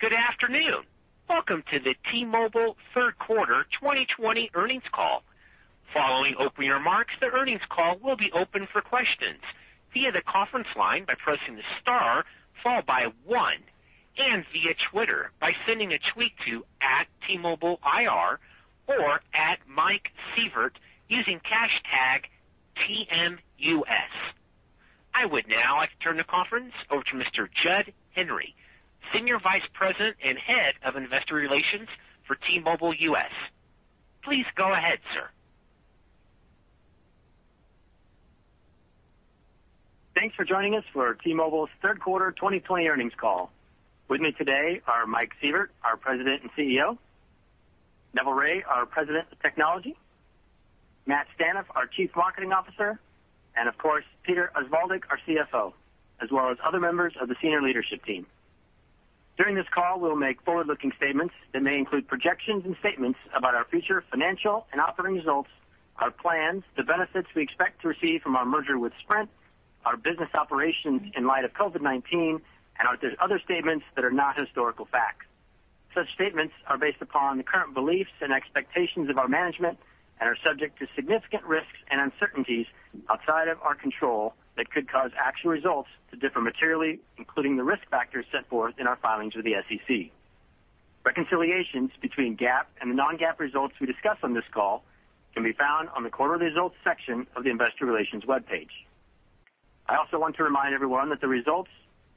Good afternoon. Welcome to the T-Mobile third quarter 2020 earnings call. Following opening remarks, the earnings call will be open for questions via the conference line by pressing the star followed by one, and via Twitter by sending a tweet to @T-MobileIR or @MikeSievert using hashtag TMUS. I would now like to turn the conference over to Mr. Jud Henry, Senior Vice President and Head of Investor Relations for T-Mobile US. Please go ahead, sir. Thanks for joining us for T-Mobile's third quarter 2020 earnings call. With me today are Mike Sievert, our President and CEO, Neville Ray, our President of Technology, Matt Staneff, our Chief Marketing Officer, and of course, Peter Osvaldik, our CFO, as well as other members of the senior leadership team. During this call, we'll make forward-looking statements that may include projections and statements about our future financial and operating results, our plans, the benefits we expect to receive from our merger with Sprint, our business operations in light of COVID-19, and other statements that are not historical facts. Such statements are based upon the current beliefs and expectations of our management and are subject to significant risks and uncertainties outside of our control that could cause actual results to differ materially, including the risk factors set forth in our filings with the SEC. Reconciliations between GAAP and the non-GAAP results we discuss on this call can be found on the quarterly results section of the investor relations webpage. I also want to remind everyone that the results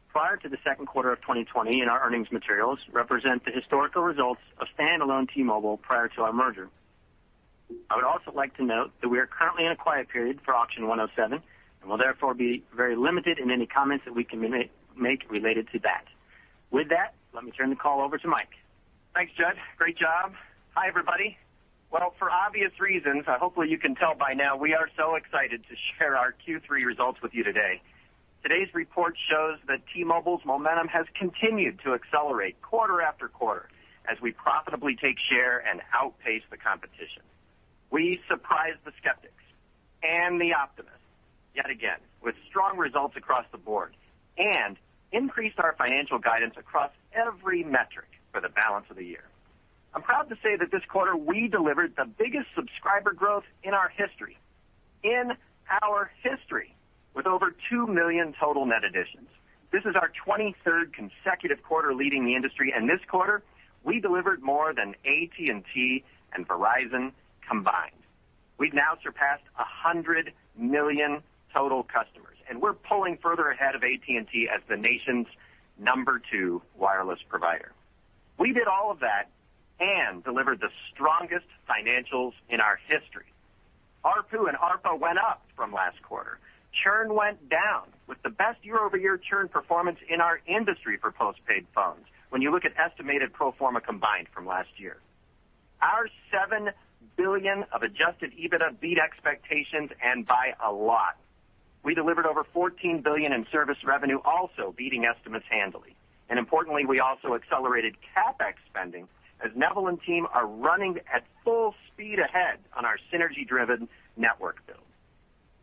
prior to the second quarter of 2020 in our earnings materials represent the historical results of standalone T-Mobile prior to our merger. I would also like to note that we are currently in a quiet period for Auction 107, and will therefore be very limited in any comments that we can make related to that. With that, let me turn the call over to Mike. Thanks, Jud. Great job. Hi, everybody. For obvious reasons, hopefully you can tell by now we are so excited to share our Q3 results with you today. Today's report shows that T-Mobile's momentum has continued to accelerate quarter after quarter as we profitably take share and outpace the competition. We surprised the skeptics and the optimists yet again with strong results across the board and increased our financial guidance across every metric for the balance of the year. I'm proud to say that this quarter, we delivered the biggest subscriber growth in our history. In our history, with over 2 million total net additions. This is our 23rd consecutive quarter leading the industry, and this quarter, we delivered more than AT&T and Verizon combined. We've now surpassed 100 million total customers, and we're pulling further ahead of AT&T as the nation's number two wireless provider. We did all of that and delivered the strongest financials in our history. ARPU and ARPA went up from last quarter. Churn went down with the best year-over-year churn performance in our industry for post-paid phones when you look at estimated pro forma combined from last year. Our $7 billion of Adjusted EBITDA beat expectations, and by a lot. We delivered over $14 billion in service revenue, also beating estimates handily. Importantly, we also accelerated CapEx spending as Neville and team are running at full speed ahead on our synergy-driven network build.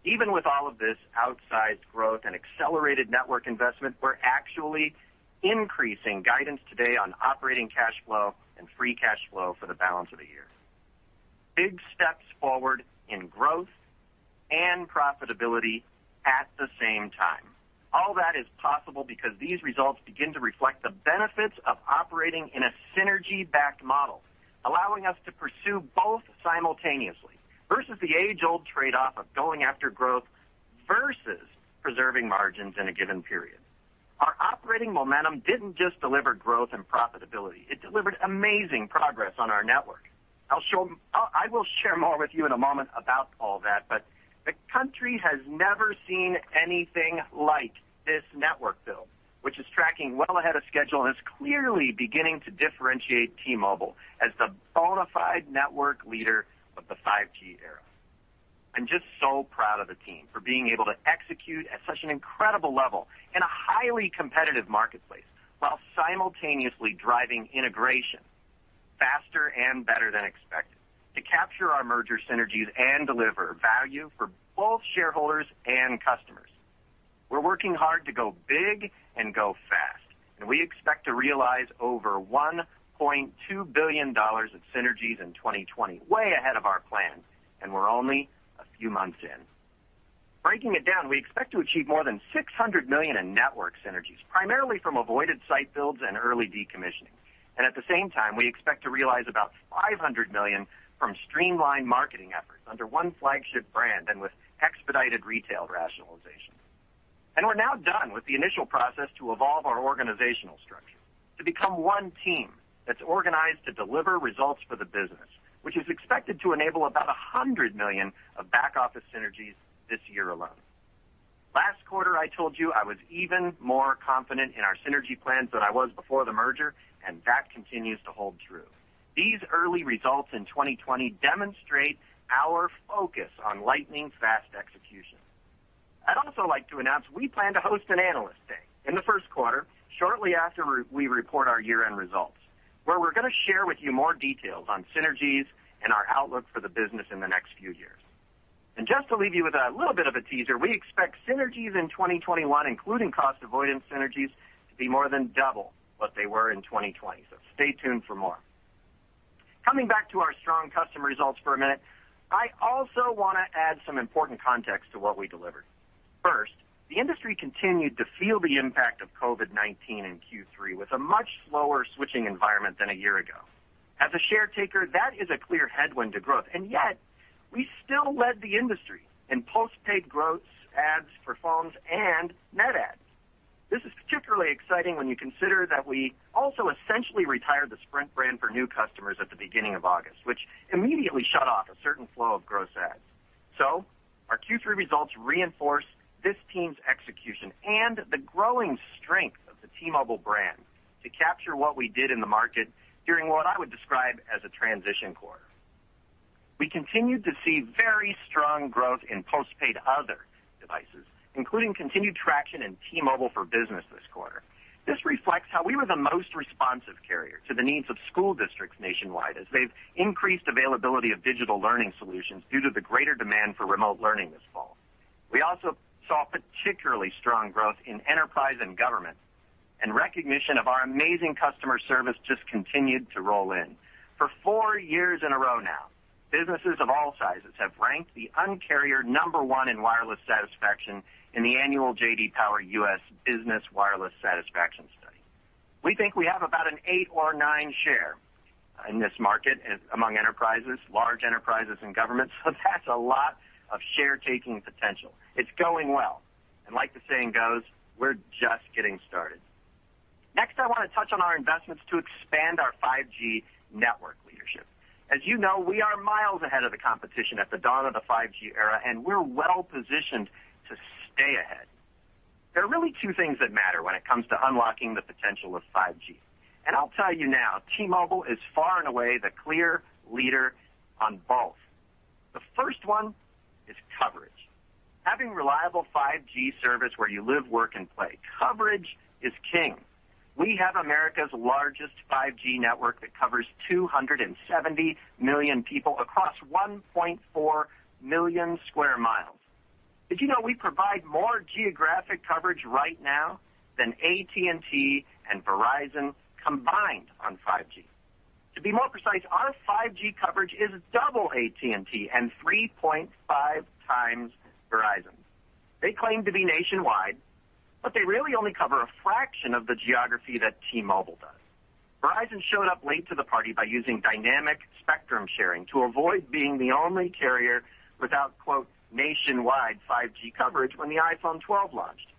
Even with all of this outsized growth and accelerated network investment, we're actually increasing guidance today on operating cash flow and free cash flow for the balance of the year. Big steps forward in growth and profitability at the same time. All that is possible because these results begin to reflect the benefits of operating in a synergy-backed model, allowing us to pursue both simultaneously versus the age-old trade-off of going after growth versus preserving margins in a given period. Our operating momentum didn't just deliver growth and profitability. It delivered amazing progress on our network. I will share more with you in a moment about all that, but the country has never seen anything like this network build, which is tracking well ahead of schedule and is clearly beginning to differentiate T-Mobile as the bona fide network leader of the 5G era. I'm just so proud of the team for being able to execute at such an incredible level in a highly competitive marketplace, while simultaneously driving integration faster and better than expected to capture our merger synergies and deliver value for both shareholders and customers. We're working hard to go big and go fast. We expect to realize over $1.2 billion of synergies in 2020, way ahead of our plan. We're only a few months in. Breaking it down, we expect to achieve more than $600 million in network synergies, primarily from avoided site builds and early decommissioning. At the same time, we expect to realize about $500 million from streamlined marketing efforts under one flagship brand and with expedited retail rationalization. We're now done with the initial process to evolve our organizational structure to become one team that's organized to deliver results for the business, which is expected to enable about $100 million of back-office synergies this year alone. Last quarter, I told you I was even more confident in our synergy plans than I was before the merger. That continues to hold true. These early results in 2020 demonstrate our focus on lightning-fast execution. I'd also like to announce we plan to host an Analyst Day in the first quarter, shortly after we report our year-end results. We're going to share with you more details on synergies and our outlook for the business in the next few years. Just to leave you with a little bit of a teaser, we expect synergies in 2021, including cost avoidance synergies, to be more than double what they were in 2020. Stay tuned for more. Coming back to our strong customer results for a minute, I also want to add some important context to what we delivered. First, the industry continued to feel the impact of COVID-19 in Q3 with a much slower switching environment than a year ago. As a share taker, that is a clear headwind to growth, and yet we still led the industry in postpaid gross adds for phones and net adds. This is particularly exciting when you consider that we also essentially retired the Sprint brand for new customers at the beginning of August, which immediately shut off a certain flow of gross adds. Our Q3 results reinforce this team's execution and the growing strength of the T-Mobile brand to capture what we did in the market during what I would describe as a transition quarter. We continued to see very strong growth in postpaid other devices, including continued traction in T-Mobile for Business this quarter. This reflects how we were the most responsive carrier to the needs of school districts nationwide as they've increased availability of digital learning solutions due to the greater demand for remote learning this fall. We also saw particularly strong growth in enterprise and government, recognition of our amazing customer service just continued to roll in. For four years in a row now, businesses of all sizes have ranked the Un-carrier number one in wireless satisfaction in the annual J.D. Power U.S. Business Wireless Satisfaction Study. We think we have about an eight or nine share in this market among enterprises, large enterprises, and governments, that's a lot of share taking potential. It's going well. Like the saying goes, we're just getting started. Next, I want to touch on our investments to expand our 5G Network Leadership. As you know, we are miles ahead of the competition at the dawn of the 5G era, we're well-positioned to stay ahead. There are really two things that matter when it comes to unlocking the potential of 5G. I'll tell you now, T-Mobile is far and away the clear leader on both. The first one is coverage. Having reliable 5G service where you live, work, and play. Coverage is king. We have America's largest 5G network that covers 270 million people across 1.4 million sq mi. Did you know we provide more geographic coverage right now than AT&T and Verizon combined on 5G? To be more precise, our 5G coverage is double AT&T and 3.5 times Verizon. They claim to be nationwide, but they really only cover a fraction of the geography that T-Mobile does. Verizon showed up late to the party by using dynamic spectrum sharing to avoid being the only carrier without, "nationwide 5G coverage" when the iPhone 12 launched.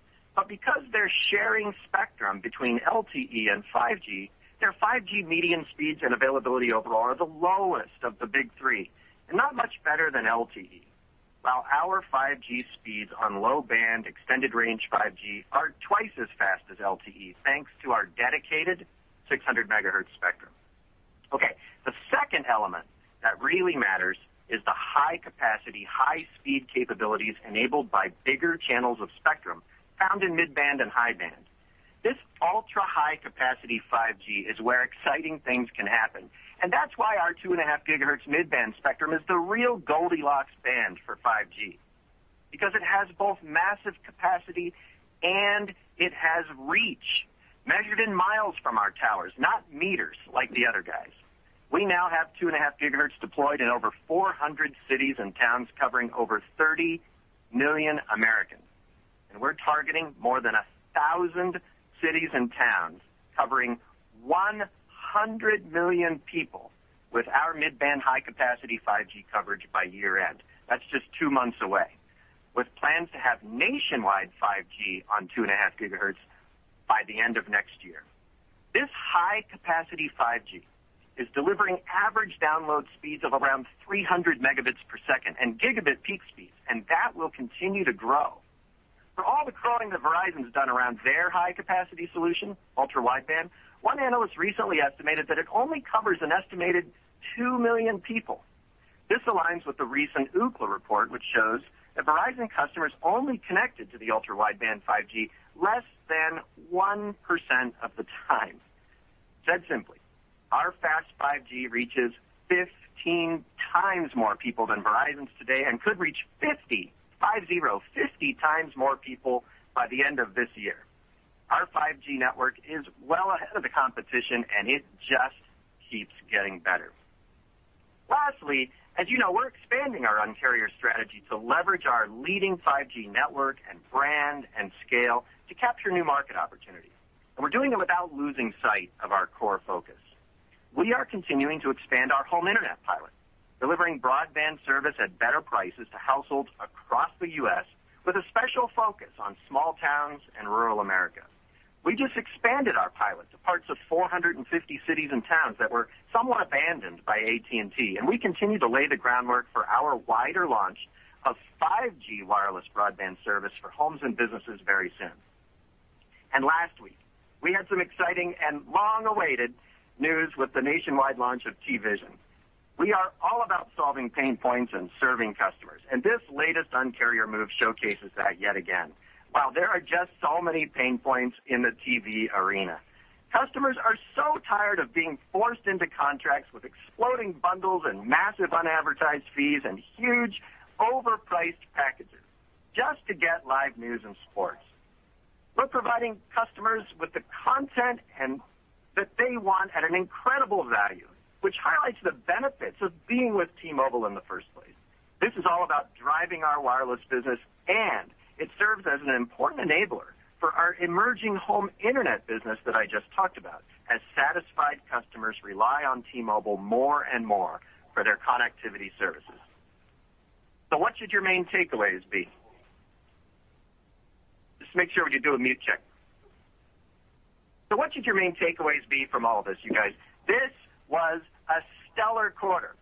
Because they're sharing spectrum between LTE and 5G, their 5G median speeds and availability overall are the lowest of the big three and not much better than LTE. While our 5G speeds on low-band Extended Range 5G are twice as fast as LTE, thanks to our dedicated 600 MHz spectrum. The second element that really matters is the high capacity, high speed capabilities enabled by bigger channels of spectrum found in mid-band and high-band. This ultra-high capacity 5G is where exciting things can happen, and that's why our 2.5 GHz mid-band spectrum is the real Goldilocks band for 5G because it has both massive capacity and it has reach measured in miles from our towers, not meters like the other guide. We now have 2.5 GHz deployed in over 400 cities and towns covering over 30 million Americans. We're targeting more than 1,000 cities and towns covering 100 million people with our mid-band high capacity 5G coverage by year-end. That's just two months away. Plans to have nationwide 5G on 2.5 GHz by the end of next year. This high capacity 5G is delivering average download speeds of around 300 megabits per second and gigabit peak speeds, and that will continue to grow. For all the crowing that Verizon's done around their high capacity solution, Ultra Wideband, one analyst recently estimated that it only covers an estimated 2 million people. This aligns with the recent Ookla report, which shows that Verizon customers only connected to the Ultra Wideband 5G less than 1% of the time. Said simply, our fast 5G reaches 15 times more people than Verizon's today and could reach 50 times more people by the end of this year. Our 5G network is well ahead of the competition, and it just keeps getting better. Lastly, as you know, we're expanding our Un-carrier strategy to leverage our leading 5G network and brand and scale to capture new market opportunities. We're doing it without losing sight of our core focus. We are continuing to expand our home internet pilot, delivering broadband service at better prices to households across the U.S. with a special focus on small towns and rural America. We just expanded our pilot to parts of 450 cities and towns that were somewhat abandoned by AT&T, and we continue to lay the groundwork for our wider launch of 5G wireless broadband service for homes and businesses very soon. Lastly, we had some exciting and long-awaited news with the nationwide launch of TVision. We are all about solving pain points and serving customers, and this latest Un-carrier move showcases that yet again. While there are just so many pain points in the TV arena, customers are so tired of being forced into contracts with exploding bundles and massive unadvertised fees and huge overpriced packages just to get live news and sports. We're providing customers with the content that they want at an incredible value, which highlights the benefits of being with T-Mobile in the first place. This is all about driving our wireless business, and it serves as an important enabler for our emerging home internet business that I just talked about, as satisfied customers rely on T-Mobile more and more for their connectivity services. What should your main takeaways be? Just make sure we can do a mute check. What should your main takeaways be from all this, you guys? This was a stellar quarter,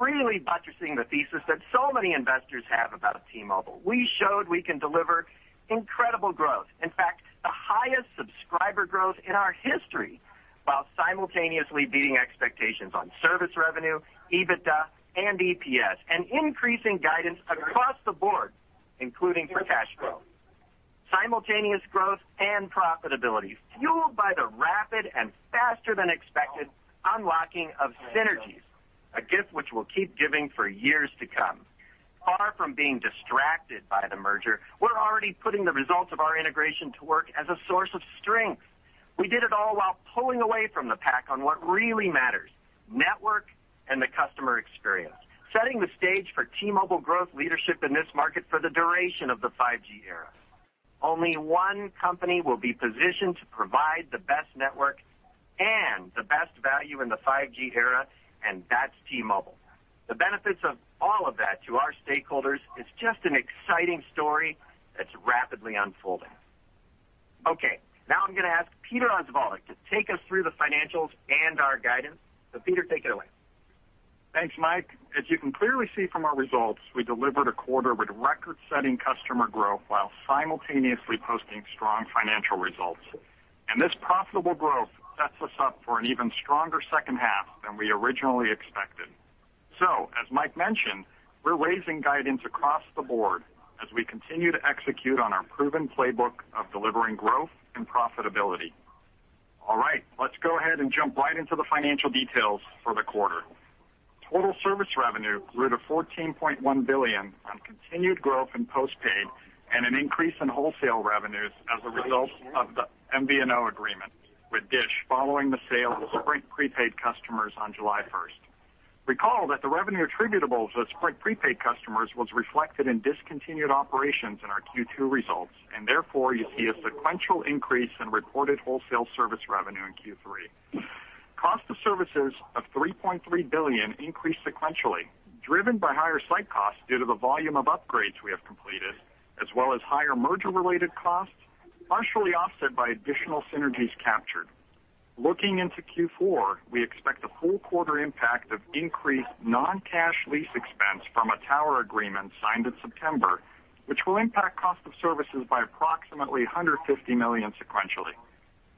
really buttressing the thesis that so many investors have about T-Mobile. We showed we can deliver incredible growth. In fact, the highest subscriber growth in our history, while simultaneously beating expectations on service revenue, EBITDA, and EPS, and increasing guidance across the board, including for cash growth. Simultaneous growth and profitability, fueled by the rapid and faster than expected unlocking of synergies, a gift which we'll keep giving for years to come. Far from being distracted by the merger, we're already putting the results of our integration to work as a source of strength. We did it all while pulling away from the pack on what really matters, network and the customer experience, setting the stage for T-Mobile growth leadership in this market for the duration of the 5G era. Only one company will be positioned to provide the best network and the best value in the 5G era, and that's T-Mobile. The benefits of all of that to our stakeholders is just an exciting story that's rapidly unfolding. Okay. Now I'm going to ask Peter Osvaldik to take us through the financials and our guidance. Peter, take it away. Thanks, Mike. As you can clearly see from our results, we delivered a quarter with record-setting customer growth while simultaneously posting strong financial results. This profitable growth sets us up for an even stronger second half than we originally expected. As Mike mentioned, we're raising guidance across the board as we continue to execute on our proven playbook of delivering growth and profitability. All right. Let's go ahead and jump right into the financial details for the quarter. Total service revenue grew to $14.1 billion on continued growth in postpaid and an increase in wholesale revenues as a result of the MVNO agreement with Dish following the sale of Sprint prepaid customers on July 1st. Recall that the revenue attributable to Sprint prepaid customers was reflected in discontinued operations in our Q2 results, and therefore, you see a sequential increase in reported wholesale service revenue in Q3. Cost of services of $3.3 billion increased sequentially, driven by higher site costs due to the volume of upgrades we have completed, as well as higher merger-related costs, partially offset by additional synergies captured. Looking into Q4, we expect a full quarter impact of increased non-cash lease expense from a tower agreement signed in September, which will impact cost of services by approximately $150 million sequentially.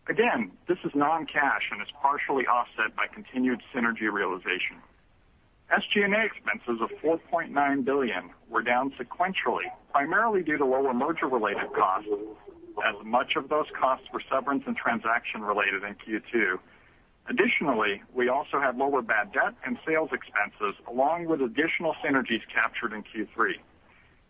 Again, this is non-cash and is partially offset by continued synergy realization. SG&A expenses of $4.9 billion were down sequentially, primarily due to lower merger-related costs, as much of those costs were severance and transaction-related in Q2. Additionally, we also had lower bad debt and sales expenses, along with additional synergies captured in Q3.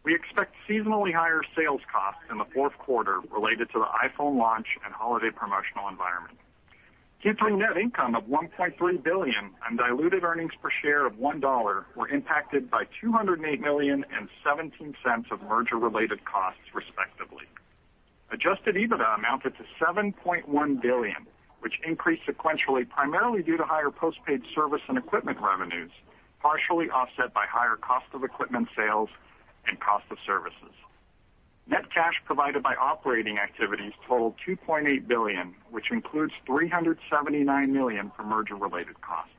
We expect seasonally higher sales costs in the fourth quarter related to the iPhone launch and holiday promotional environment. Q3 net income of $1.3 billion on diluted earnings per share of $1 were impacted by $208 million and $0.17 of merger-related costs, respectively. Adjusted EBITDA amounted to $7.1 billion, which increased sequentially, primarily due to higher postpaid service and equipment revenues, partially offset by higher cost of equipment sales and cost of services. Net cash provided by operating activities totaled $2.8 billion, which includes $379 million for merger-related costs.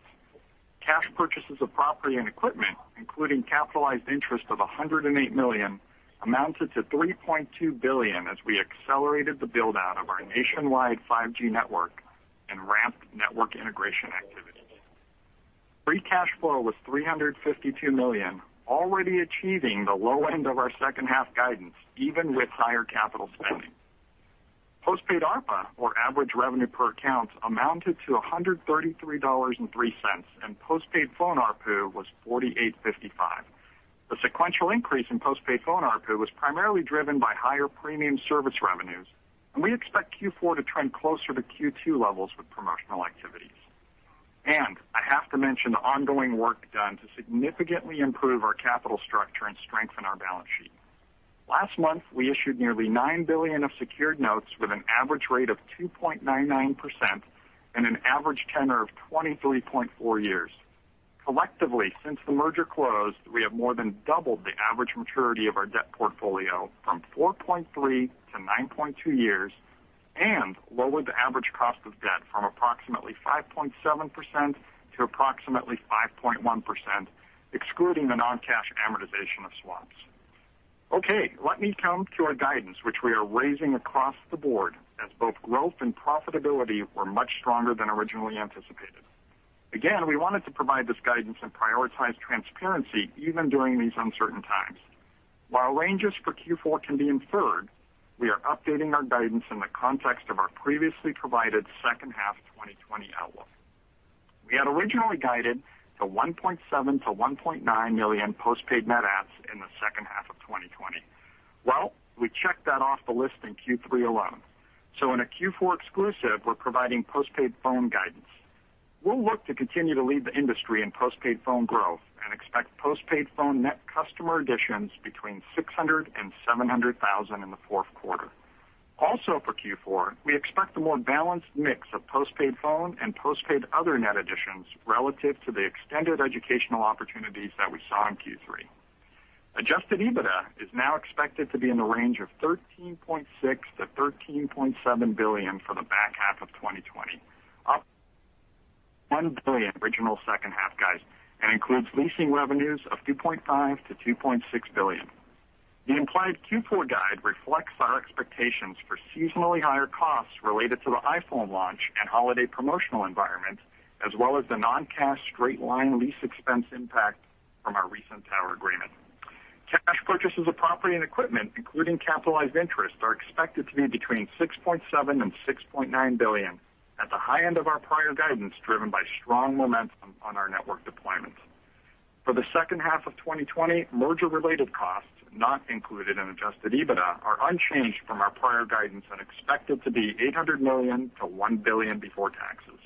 Cash purchases of property and equipment, including capitalized interest of $108 million, amounted to $3.2 billion as we accelerated the build-out of our nationwide 5G network and ramped network integration activities. Free cash flow was $352 million, already achieving the low end of our second half guidance, even with higher capital spending. Postpaid ARPA, or average revenue per account, amounted to $133.03, and postpaid phone ARPU was $48.55. The sequential increase in postpaid phone ARPU was primarily driven by higher premium service revenues. We expect Q4 to trend closer to Q2 levels with promotional activities. I have to mention the ongoing work done to significantly improve our capital structure and strengthen our balance sheet. Last month, we issued nearly $9 billion of secured notes with an average rate of 2.99% and an average tenor of 23.4 years. Collectively, since the merger closed, we have more than doubled the average maturity of our debt portfolio from four point three to nine point two years and lowered the average cost of debt from approximately 5.7% to approximately 5.1%. Excluding the non-cash amortization of swaps. Okay, let me come to our guidance, which we are raising across the board, as both growth and profitability were much stronger than originally anticipated. We wanted to provide this guidance and prioritize transparency even during these uncertain times. While ranges for Q4 can be inferred, we are updating our guidance in the context of our previously provided second half 2020 outlook. We had originally guided to 1.7 to 1.9 million postpaid net adds in the second half of 2020. Well, we checked that off the list in Q3 alone. In a Q4 exclusive, we're providing postpaid phone guidance. We'll look to continue to lead the industry in postpaid phone growth and expect postpaid phone net customer additions between 600,000 and 700,000 in the fourth quarter. For Q4, we expect a more balanced mix of postpaid phone and postpaid other net additions relative to the extended educational opportunities that we saw in Q3. Adjusted EBITDA is now expected to be in the range of $13.6 billion-$13.7 billion for the back half of 2020, up $1 billion original second half guys, and includes leasing revenues of $2.5 billion-$2.6 billion. The implied Q4 guide reflects our expectations for seasonally higher costs related to the iPhone launch and holiday promotional environment, as well as the non-cash straight line lease expense impact from our recent tower agreement. Cash purchases of property and equipment, including capitalized interest, are expected to be between $6.7 billion and $6.9 billion, at the high end of our prior guidance, driven by strong momentum on our network deployments. For the second half of 2020, merger-related costs, not included in Adjusted EBITDA, are unchanged from our prior guidance and expected to be $800 million-$1 billion before taxes.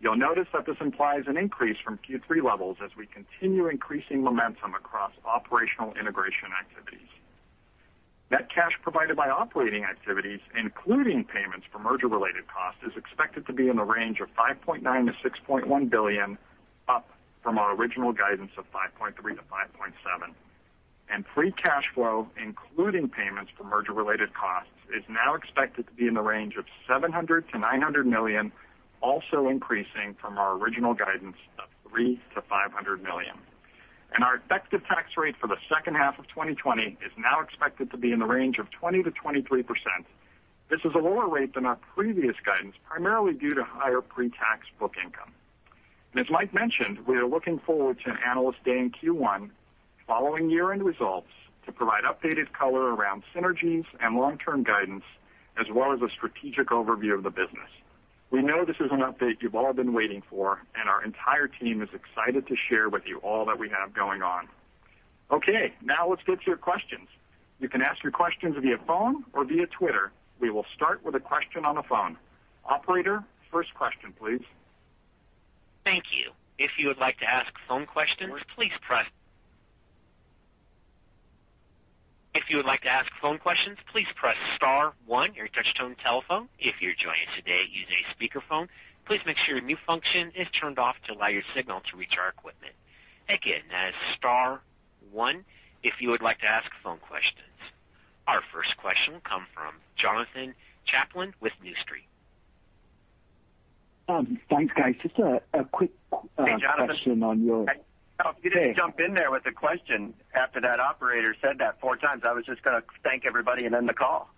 You'll notice that this implies an increase from Q3 levels as we continue increasing momentum across operational integration activities. Net cash provided by operating activities, including payments for merger-related costs, is expected to be in the range of $5.9 billion-$6.1 billion, up from our original guidance of $5.3 billion-$5.7 billion. Free cash flow, including payments for merger-related costs, is now expected to be in the range of $700 million-$900 million, also increasing from our original guidance of $300 million-$500 million. Our effective tax rate for the second half of 2020 is now expected to be in the range of 20%-23%. This is a lower rate than our previous guidance, primarily due to higher pre-tax book income. As Mike mentioned, we are looking forward to an Analyst Day in Q1 following year-end results to provide updated color around synergies and long-term guidance, as well as a strategic overview of the business. We know this is an update you've all been waiting for, and our entire team is excited to share with you all that we have going on. Now let's get to your questions. You can ask your questions via phone or via Twitter. We will start with a question on the phone. Operator, first question please. Thank you. If you would like to ask phone questions, please press star one on your touchtone telephone. If you're joining us today using a speakerphone, please make sure your mute function is turned off to allow your signal to reach our equipment. Again, that is star one if you would like to ask phone questions. Our first question will come from Jonathan Chaplin with New Street. Thanks, guys. Just a quick question on your- Hey, Jonathan. You just jumped in there with a question after that operator said that four times. I was just going to thank everybody and end the call.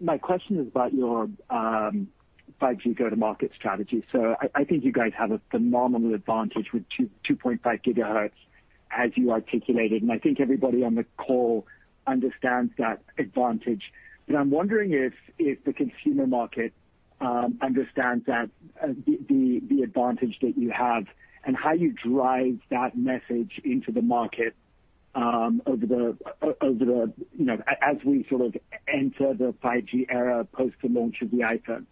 My question is about your 5G go-to-market strategy. I think you guys have a phenomenal advantage with 2.5 GHz, as you articulated, and I think everybody on the call understands that advantage. I'm wondering if the consumer market understands the advantage that you have and how you drive that message into the market as we sort of enter the 5G era post the launch of the iPhone.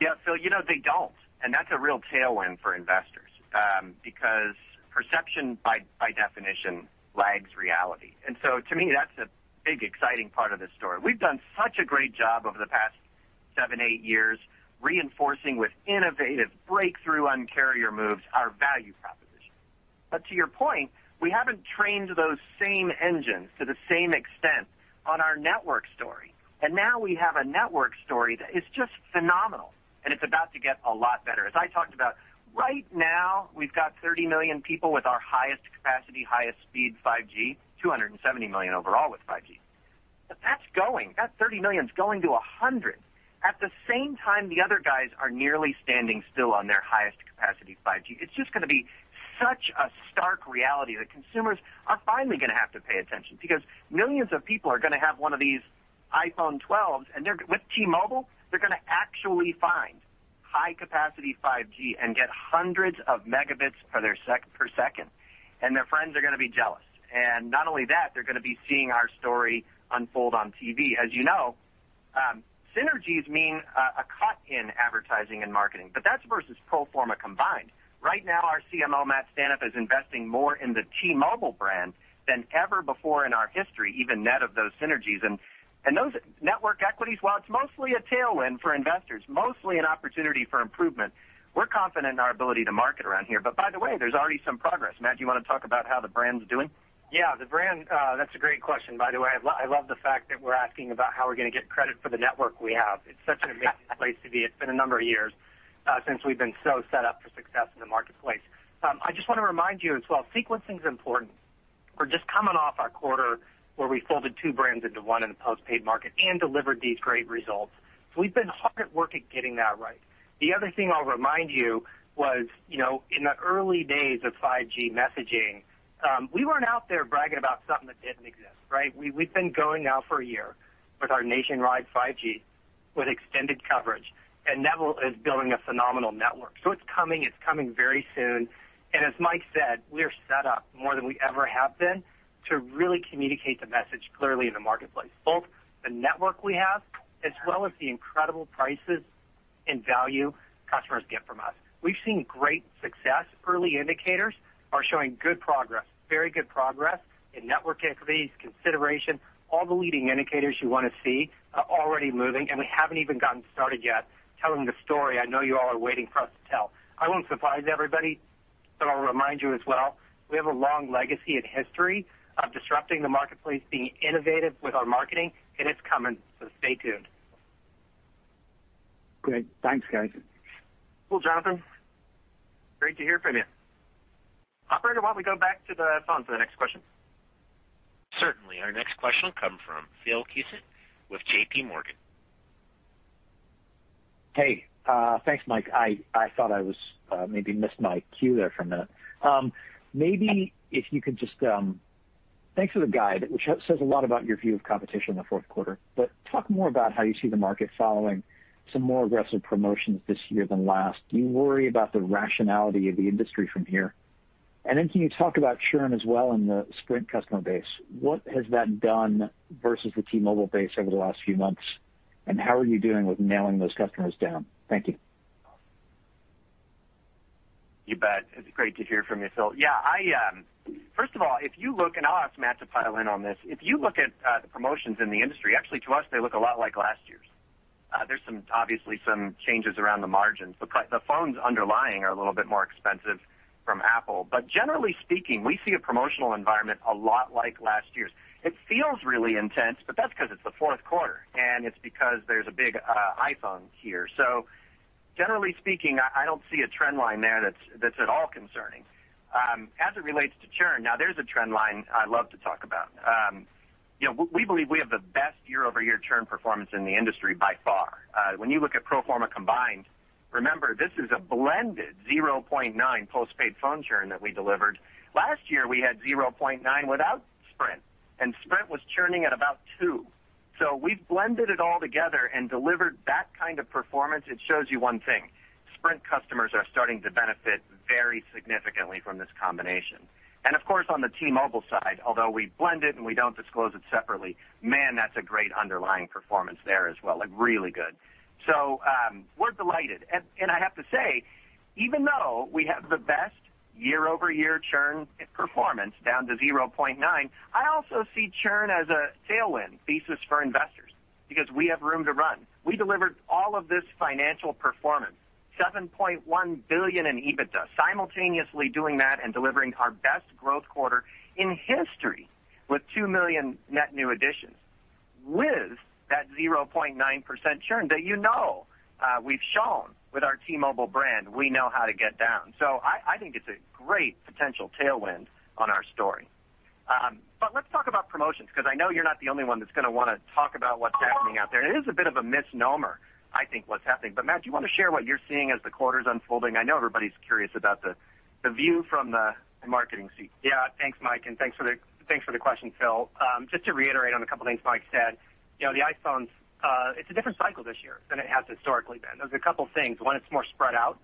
Yeah. They don't, and that's a real tailwind for investors, because perception, by definition, lags reality. To me, that's a big, exciting part of the story. We've done such a great job over the past seven, eight years reinforcing with innovative breakthrough Un-carrier moves our value proposition. To your point, we haven't trained those same engines to the same extent on our network story. Now we have a network story that is just phenomenal, and it's about to get a lot better. I talked about, right now, we've got 30 million people with our highest capacity, highest speed 5G, 270 million overall with 5G. That's going. That 30 million is going to 100. At the same time, the other guys are nearly standing still on their highest capacity 5G. It's just going to be such a stark reality that consumers are finally going to have to pay attention because millions of people are going to have one of these iPhone 12s, and with T-Mobile, they're going to actually find high capacity 5G and get hundreds of megabits per second, and their friends are going to be jealous. Not only that, they're going to be seeing our story unfold on TV. As you know, synergies mean a cut in advertising and marketing, but that's versus pro forma combined. Right now, our CMO, Matt Staneff, is investing more in the T-Mobile brand than ever before in our history, even net of those synergies. Those network equities, while it's mostly a tailwind for investors, mostly an opportunity for improvement, we're confident in our ability to market around here. By the way, there's already some progress. Matt, do you want to talk about how the brand's doing? Yeah, the brand, that's a great question, by the way. I love the fact that we're asking about how we're going to get credit for the network we have. It's such an amazing place to be. It's been a number of years since we've been so set up for success in the marketplace. I just want to remind you as well, sequencing is important. We're just coming off our quarter where we folded two brands into one in the postpaid market and delivered these great results. We've been hard at work at getting that right. The other thing I'll remind you was, in the early days of 5G messaging, we weren't out there bragging about something that didn't exist, right? We've been going now for a year with our nationwide 5G with extended coverage. Neville is building a phenomenal network. It's coming. It's coming very soon. As Mike said, we are set up more than we ever have been to really communicate the message clearly in the marketplace, both the network we have, as well as the incredible prices and value customers get from us. We've seen great success. Early indicators are showing good progress, very good progress in network equities, consideration. All the leading indicators you want to see are already moving, and we haven't even gotten started yet telling the story I know you all are waiting for us to tell. I won't surprise everybody, but I'll remind you as well, we have a long legacy and history of disrupting the marketplace, being innovative with our marketing, and it's coming, so stay tuned. Great. Thanks, guys. Cool, Jonathan. Great to hear from you. Operator, why don't we go back to the phone for the next question? Certainly. Our next question will come from Phil Cusick with JPMorgan. Hey. Thanks, Mike. I thought I maybe missed my cue there for a minute. Thanks for the guide, which says a lot about your view of competition in the fourth quarter. Talk more about how you see the market following some more aggressive promotions this year than last. Do you worry about the rationality of the industry from here? Can you talk about churn as well in the Sprint customer base? What has that done versus the T-Mobile base over the last few months, and how are you doing with nailing those customers down? Thank you. You bet. It's great to hear from you, Phil. Yeah. First of all, if you look, and I'll ask Matt to pile in on this, if you look at the promotions in the industry, actually to us, they look a lot like last year's. There's obviously some changes around the margins. The phones underlying are a little bit more expensive from Apple. Generally speaking, we see a promotional environment a lot like last year's. It feels really intense, but that's because it's the fourth quarter, and it's because there's a big iPhone here. Generally speaking, I don't see a trend line there that's at all concerning. As it relates to churn, now there's a trend line I love to talk about. We believe we have the best year-over-year churn performance in the industry by far. When you look at pro forma combined, remember, this is a blended 0.9 postpaid phone churn that we delivered. Last year, we had 0.9 without Sprint. Sprint was churning at about two. We've blended it all together and delivered that kind of performance. It shows you one thing. Sprint customers are starting to benefit very significantly from this combination. Of course, on the T-Mobile side, although we blend it and we don't disclose it separately, man, that's a great underlying performance there as well, like, really good. We're delighted. I have to say, even though we have the best year-over-year churn performance down to 0.9, I also see churn as a tailwind thesis for investors because we have room to run. We delivered all of this financial performance, $7.1 billion in EBITDA, simultaneously doing that and delivering our best growth quarter in history with 2 million net new additions with that 0.9% churn that you know we've shown with our T-Mobile brand, we know how to get down. So I think it's a great potential tailwind on our story. Let's talk about promotions, because I know you're not the only one that's going to want to talk about what's happening out there. It is a bit of a misnomer, I think, what's happening. Matt, do you want to share what you're seeing as the quarter's unfolding? I know everybody's curious about the view from the marketing seat. Yeah. Thanks, Mike, and thanks for the question, Phil. Just to reiterate on a couple things Mike said, the iPhone, it's a different cycle this year than it has historically been. There's a couple things. One, it's more spread out.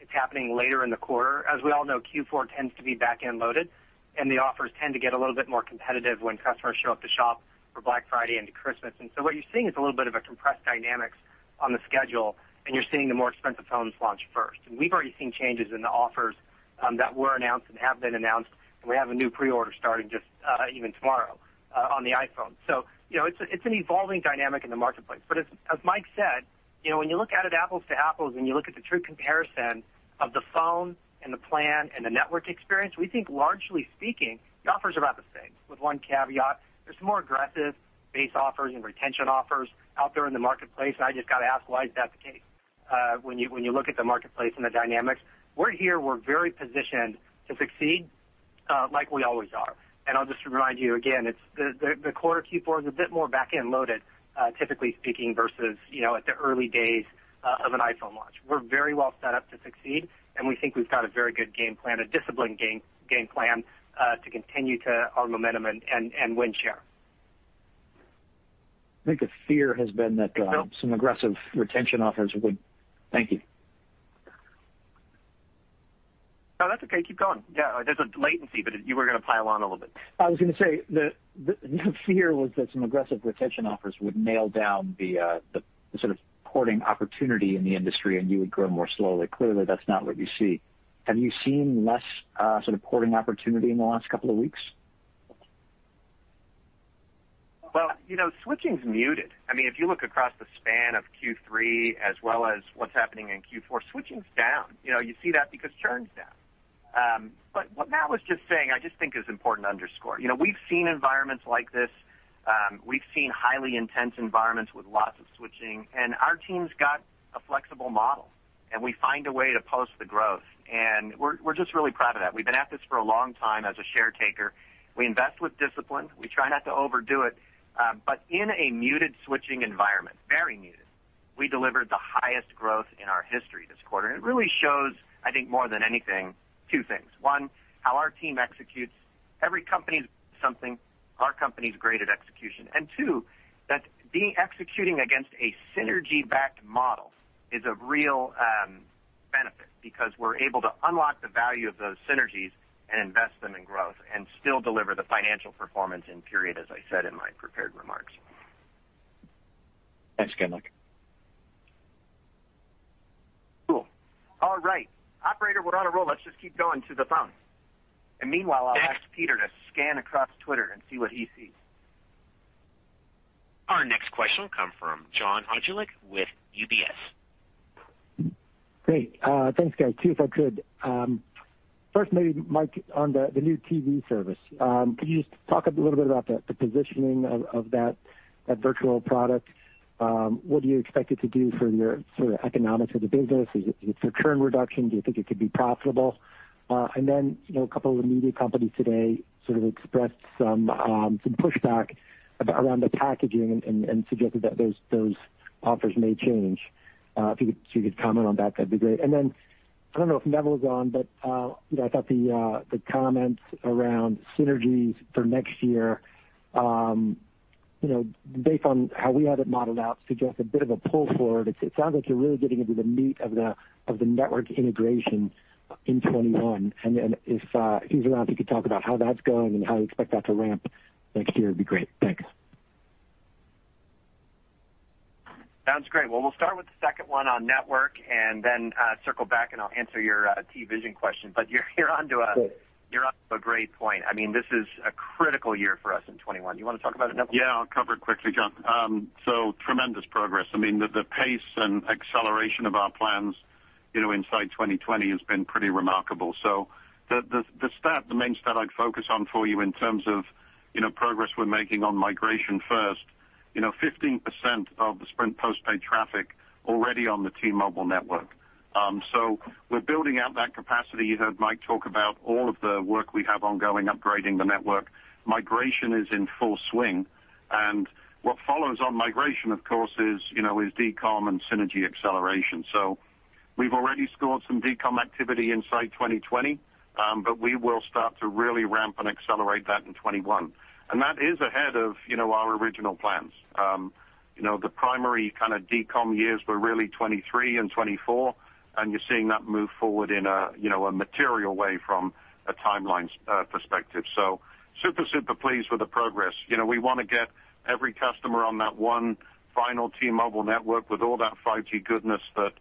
It's happening later in the quarter. As we all know, Q4 tends to be back-end loaded, the offers tend to get a little bit more competitive when customers show up to shop for Black Friday into Christmas. What you're seeing is a little bit of a compressed dynamics on the schedule, and you're seeing the more expensive phones launch first. We've already seen changes in the offers that were announced and have been announced, and we have a new pre-order starting just even tomorrow on the iPhone. It's an evolving dynamic in the marketplace. As Mike said, when you look at it apples to apples, when you look at the true comparison of the phone and the plan and the network experience, we think largely speaking, the offers are about the same with one caveat. There's some more aggressive base offers and retention offers out there in the marketplace, and I just got to ask, why is that the case? When you look at the marketplace and the dynamics, we're here, we're very positioned to succeed like we always are. I'll just remind you again, the quarter Q4 is a bit more back-end loaded, typically speaking, versus at the early days of an iPhone launch. We're very well set up to succeed, and we think we've got a very good game plan, a disciplined game plan, to continue to our momentum and win share. I think a fear has been that- Phil? ...some aggressive retention offers. Thank you. No, that's okay. Keep going. Yeah, there's a latency, but you were going to pile on a little bit. I was going to say, the fear was that some aggressive retention offers would nail down the sort of porting opportunity in the industry, you would grow more slowly. Clearly, that's not what you see. Have you seen less sort of porting opportunity in the last couple of weeks? Switching is muted. If you look across the span of Q3 as well as what's happening in Q4, switching is down. You see that because churn's down. What Matt was just saying, I just think is important to underscore. We've seen environments like this. We've seen highly intense environments with lots of switching, and our team's got a flexible model, and we find a way to post the growth, and we're just really proud of that. We've been at this for a long time as a share taker. We invest with discipline. We try not to overdo it. In a muted switching environment, very muted, we delivered the highest growth in our history this quarter. It really shows, I think more than anything, two things. One, how our team executes. Every company is something, our company is great at execution. Two, that executing against a synergy-backed model is a real benefit because we're able to unlock the value of those synergies and invest them in growth and still deliver the financial performance in period, as I said in my prepared remarks. Thanks again, Mike. Cool. All right. Operator, we're on a roll. Let's just keep going to the phone. Meanwhile, I'll ask Peter to scan across Twitter and see what he sees. Our next question come from John Hodulik with UBS. Great. Thanks, guys. Two, if I could. First maybe, Mike, on the new TV service. Could you just talk a little bit about the positioning of that virtual product? What do you expect it to do for the economics of the business? Is it for churn reduction? Do you think it could be profitable? And then, a couple of the media companies today sort of expressed some pushback around the packaging and suggested that those offers may change. If you could comment on that'd be great. I don't know if Neville is on, but I thought the comments around synergies for next year, based on how we had it modeled out, suggest a bit of a pull forward. It sounds like you're really getting into the meat of the network integration in 2021. If he's around, if he could talk about how that's going and how you expect that to ramp next year, it'd be great. Thanks. Sounds great. Well, we'll start with the second one on network and then circle back and I'll answer your TVision question. You're onto a great point. This is a critical year for us in 2021. You want to talk about it, Neville? I'll cover it quickly, John. Tremendous progress. The pace and acceleration of our plans inside 2020 has been pretty remarkable. The main stat I'd focus on for you in terms of progress we're making on migration first, 15% of the Sprint postpaid traffic already on the T-Mobile network, so we're building out that capacity. You heard Mike talk about all of the work we have ongoing upgrading the network. Migration is in full swing, and what follows on migration, of course, is decom and synergy acceleration. We've already scored some decom activity inside 2020, but we will start to really ramp and accelerate that in 2021. And that is ahead of our original plans. The primary kind of decom years were really 2023 and 2024, and you're seeing that move forward in a material way from a timeline perspective. Super pleased with the progress. We want to get every customer on that one final T-Mobile network with all that 5G goodness that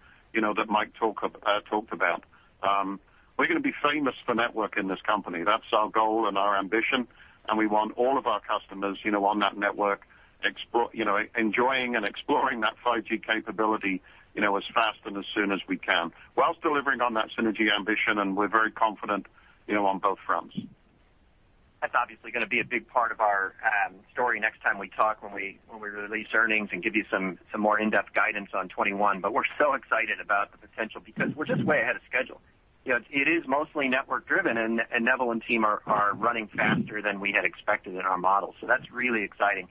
Mike talked about. We're going to be famous for network in this company. That's our goal and our ambition. We want all of our customers on that network enjoying and exploring that 5G capability as fast and as soon as we can, whilst delivering on that synergy ambition. We're very confident on both fronts. That's obviously going to be a big part of our story next time we talk when we release earnings and give you some more in-depth guidance on 2021. We're so excited about the potential because we're just way ahead of schedule. It is mostly network driven, and Neville and team are running faster than we had expected in our model. That's really exciting.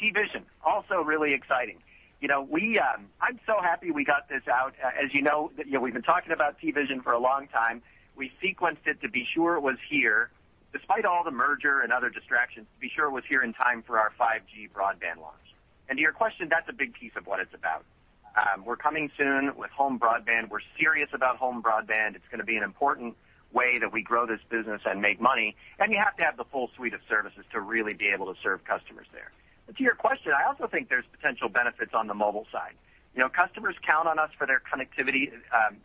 TVision, also really exciting. I'm so happy we got this out. As you know, we've been talking about TVision for a long time. We sequenced it to be sure it was here, despite all the merger and other distractions, to be sure it was here in time for our 5G broadband launch. To your question, that's a big piece of what it's about. We're coming soon with home broadband. We're serious about home broadband. It's going to be an important way that we grow this business and make money, and you have to have the full suite of services to really be able to serve customers there. To your question, I also think there's potential benefits on the mobile side. Customers count on us for their connectivity.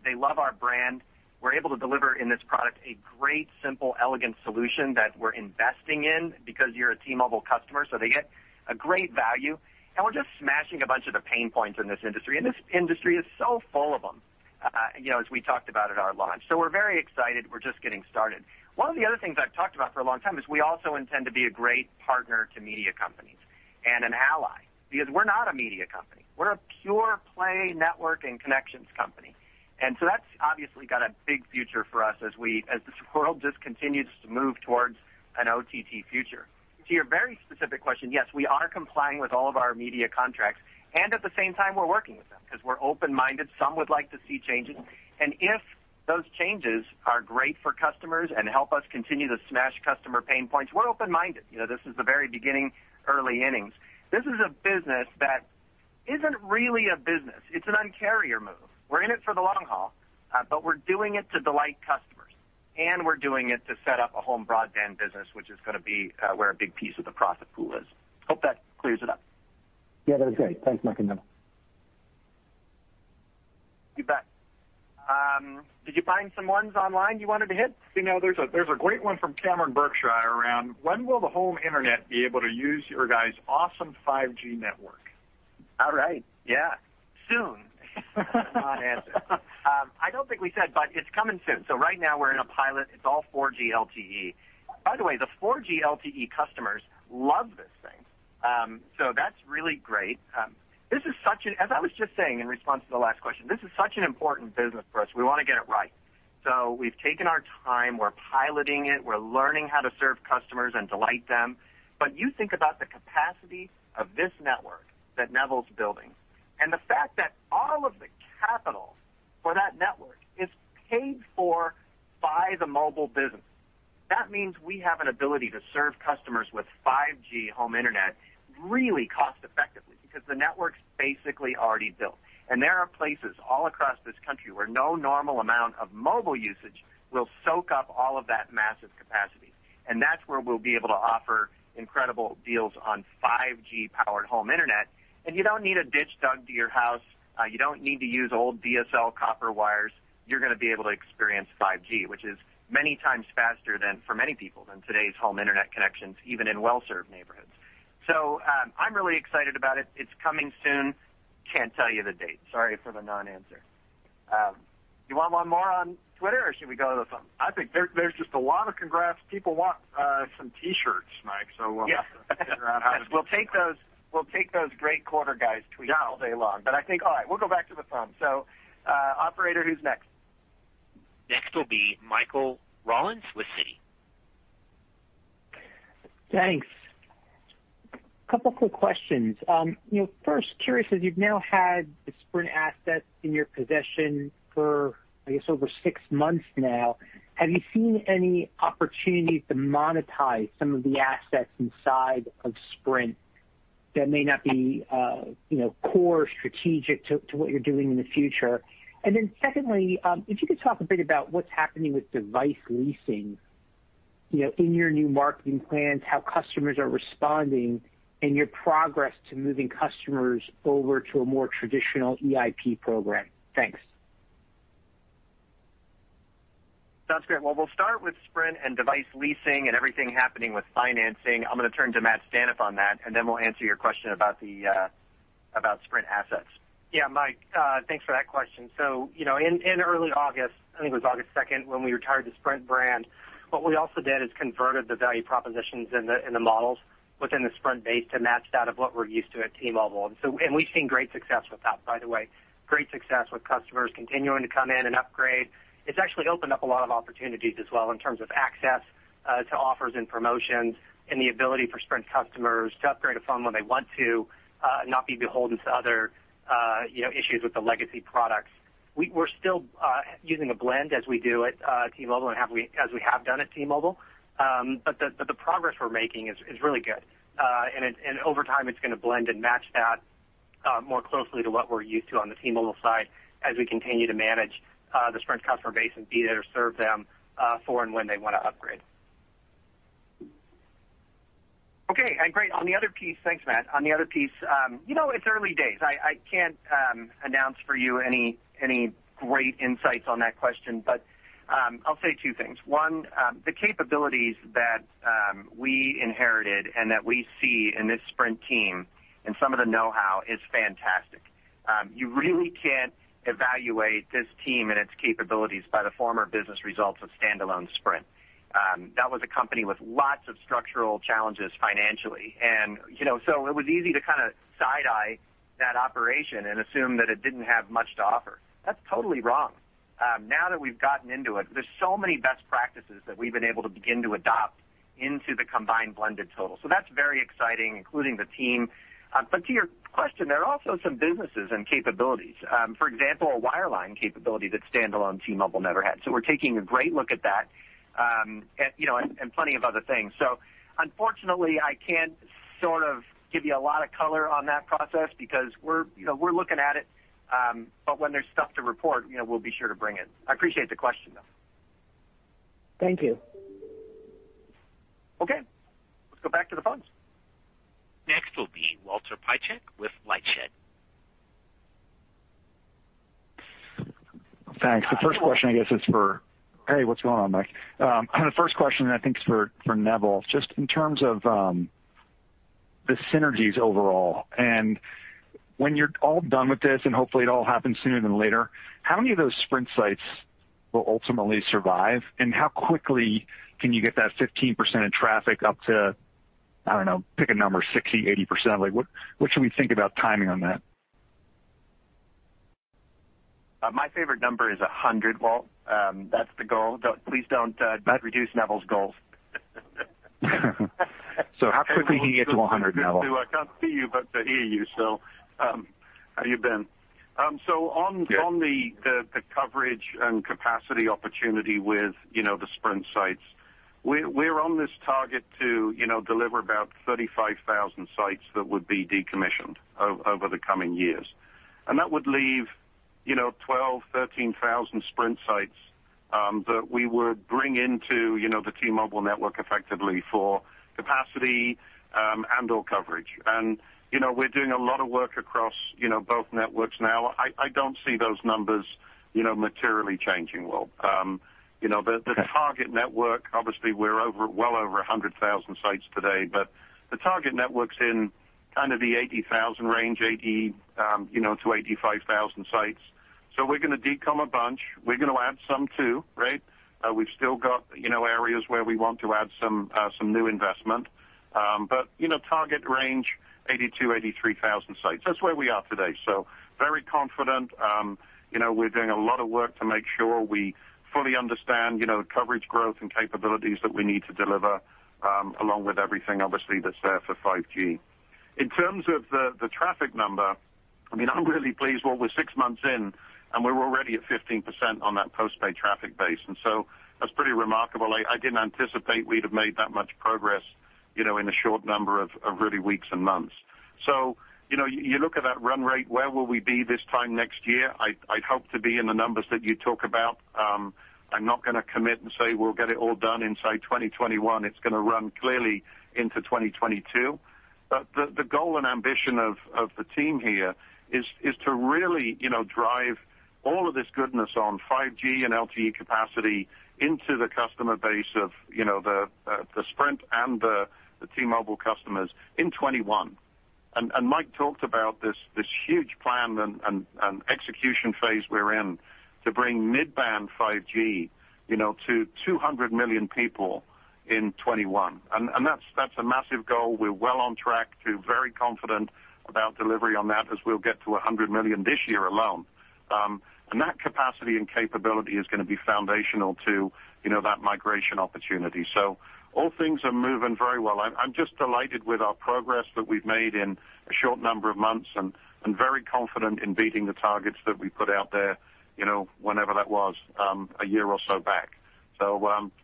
They love our brand. We're able to deliver in this product a great, simple, elegant solution that we're investing in because you're a T-Mobile customer, so they get a great value. We're just smashing a bunch of the pain points in this industry, and this industry is so full of them, as we talked about at our launch. We're very excited. We're just getting started. One of the other things I've talked about for a long time is we also intend to be a great partner to media companies and an ally, because we're not a media company. We're a pure play network and connections company. That's obviously got a big future for us as this world just continues to move towards an OTT future. To your very specific question, yes, we are complying with all of our media contracts, and at the same time, we're working with them because we're open-minded. Some would like to see changes, and if those changes are great for customers and help us continue to smash customer pain points, we're open-minded. This is the very beginning, early innings. This is a business that isn't really a business. It's an Un-carrier move. We're in it for the long haul, but we're doing it to delight customers. We're doing it to set up a home broadband business, which is going to be where a big piece of the profit pool is. Hope that clears it up. Yeah, that was great. Thanks, Mike and Neville. You bet. Did you find some ones online you wanted to hit? There's a great one from Cameron Berkshire around, "When will the home internet be able to use your guys' awesome 5G network. All right. Yeah. Soon. Non-answer. I don't think we said, it's coming soon. Right now we're in a pilot. It's all 4G LTE. By the way, the 4G LTE customers love this thing. That's really great. As I was just saying in response to the last question, this is such an important business for us. We want to get it right. We've taken our time. We're piloting it. We're learning how to serve customers and delight them. You think about the capacity of this network that Neville's building, and the fact that all of the capital for that network is paid for by the mobile business. That means we have an ability to serve customers with 5G home internet really cost-effectively, because the network's basically already built. There are places all across this country where no normal amount of mobile usage will soak up all of that massive capacity. That's where we'll be able to offer incredible deals on 5G-powered home internet. You don't need a ditch dug to your house. You don't need to use old DSL copper wires. You're going to be able to experience 5G, which is many times faster, for many people, than today's home internet connections, even in well-served neighborhoods. I'm really excited about it. It's coming soon. Can't tell you the date. Sorry for the non-answer. Do you want one more on Twitter, or should we go to the phone? I think there's just a lot of congrats. People want some T-shirts, Mike, so- Yeah. ...figure out how to do that. We'll take those great quarter guys tweets all day long. Yeah. I think, all right, we'll go back to the phone. Operator, who's next? Next will be Michael Rollins with Citi. Thanks. Couple of quick questions. First, curious, as you've now had the Sprint assets in your possession for, I guess, over six months now, have you seen any opportunities to monetize some of the assets inside of Sprint that may not be core strategic to what you're doing in the future? Secondly, if you could talk a bit about what's happening with device leasing in your new marketing plans, how customers are responding, and your progress to moving customers over to a more traditional EIP program. Thanks. Sounds great. Well, we'll start with Sprint and device leasing and everything happening with financing. I'm going to turn to Matt Staneff on that, and then we'll answer your question about Sprint assets. Yeah, Mike, thanks for that question. In early August, I think it was August 2nd, when we retired the Sprint brand, what we also did is converted the value propositions in the models within the Sprint base to match that of what we're used to at T-Mobile. We've seen great success with that, by the way, great success with customers continuing to come in and upgrade. It's actually opened up a lot of opportunities as well in terms of access to offers and promotions and the ability for Sprint customers to upgrade a phone when they want to, not be beholden to other issues with the legacy products. We're still using a blend as we do at T-Mobile and as we have done at T-Mobile. The progress we're making is really good. Over time, it's going to blend and match that more closely to what we're used to on the T-Mobile side as we continue to manage the Sprint customer base and be there to serve them for and when they want to upgrade. Okay. Great. Thanks, Matt. On the other piece, it's early days. I can't announce for you any great insights on that question, but I'll say two things. One, the capabilities that we inherited and that we see in this Sprint team and some of the know-how is fantastic. You really can't evaluate this team and its capabilities by the former business results of standalone Sprint. That was a company with lots of structural challenges financially. It was easy to kind of side-eye that operation and assume that it didn't have much to offer. That's totally wrong. Now that we've gotten into it, there's so many best practices that we've been able to begin to adopt into the combined blended total. That's very exciting, including the team. To your question, there are also some businesses and capabilities. For example, a wireline capability that standalone T-Mobile never had. We're taking a great look at that, and plenty of other things. Unfortunately, I can't sort of give you a lot of color on that process because we're looking at it. When there's stuff to report, we'll be sure to bring it. I appreciate the question, though. Thank you. Okay. Let's go back to the phones. Next will be Walter Piecyk with LightShed. Thanks. The first question, I guess, is for. Hey, what's going on, Mike? The first question, I think, is for Neville. Just in terms of the synergies overall, and when you're all done with this, and hopefully it all happens sooner than later, how many of those Sprint sites will ultimately survive, and how quickly can you get that 15% of traffic up to, I don't know, pick a number, 60, 80%? What should we think about timing on that? My favorite number is 100, Walt. That's the goal. Please don't reduce Neville's goals. How quickly can you get to 100, Neville? I can't see you, but I hear you, so how you been? Good. On the coverage and capacity opportunity with the Sprint sites, we're on this target to deliver about 35,000 sites that would be decommissioned over the coming years. That would leave 12,000-13,000 Sprint sites that we would bring into the T-Mobile network effectively for capacity and/or coverage. We're doing a lot of work across both networks now. I don't see those numbers materially changing, Walt. The target network, obviously, we're well over 100,000 sites today, but the target network's in kind of the 80,000 range, 80,000 to 85,000 sites. We're going to de-com a bunch. We're going to add some, too. We've still got areas where we want to add some new investment. Target range, 82,000-83,000 sites. That's where we are today. Very confident. We're doing a lot of work to make sure we fully understand coverage growth and capabilities that we need to deliver, along with everything, obviously, that's there for 5G. In terms of the traffic number, I'm really pleased. Well, we're six months in, and we're already at 15% on that postpaid traffic base, that's pretty remarkable. I didn't anticipate we'd have made that much progress in a short number of really weeks and months. You look at that run rate, where will we be this time next year? I'd hope to be in the numbers that you talk about. I'm not going to commit and say we'll get it all done inside 2021. It's going to run clearly into 2022. The goal and ambition of the team here is to really drive all of this goodness on 5G and LTE capacity into the customer base of the Sprint and the T-Mobile customers in 2021. Mike talked about this huge plan and execution phase we're in to bring mid-band 5G to 200 million people in 2021. That's a massive goal. We're well on track to very confident about delivery on that as we'll get to 100 million this year alone. That capacity and capability is going to be foundational to that migration opportunity. All things are moving very well. I'm just delighted with our progress that we've made in a short number of months, and very confident in beating the targets that we put out there, whenever that was, a year or so back.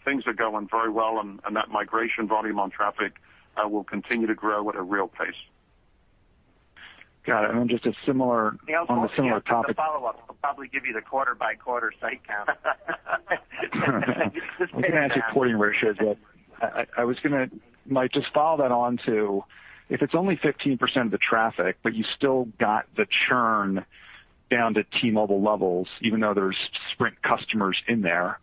Things are going very well and that migration volume on traffic will continue to grow at a real pace. Got it. Follow-up. I'll probably give you the quarter-by-quarter site count. We can answer porting ratios. Mike, just follow that on to, if it's only 15% of the traffic, but you still got the churn down to T-Mobile levels even though there's Sprint customers in there,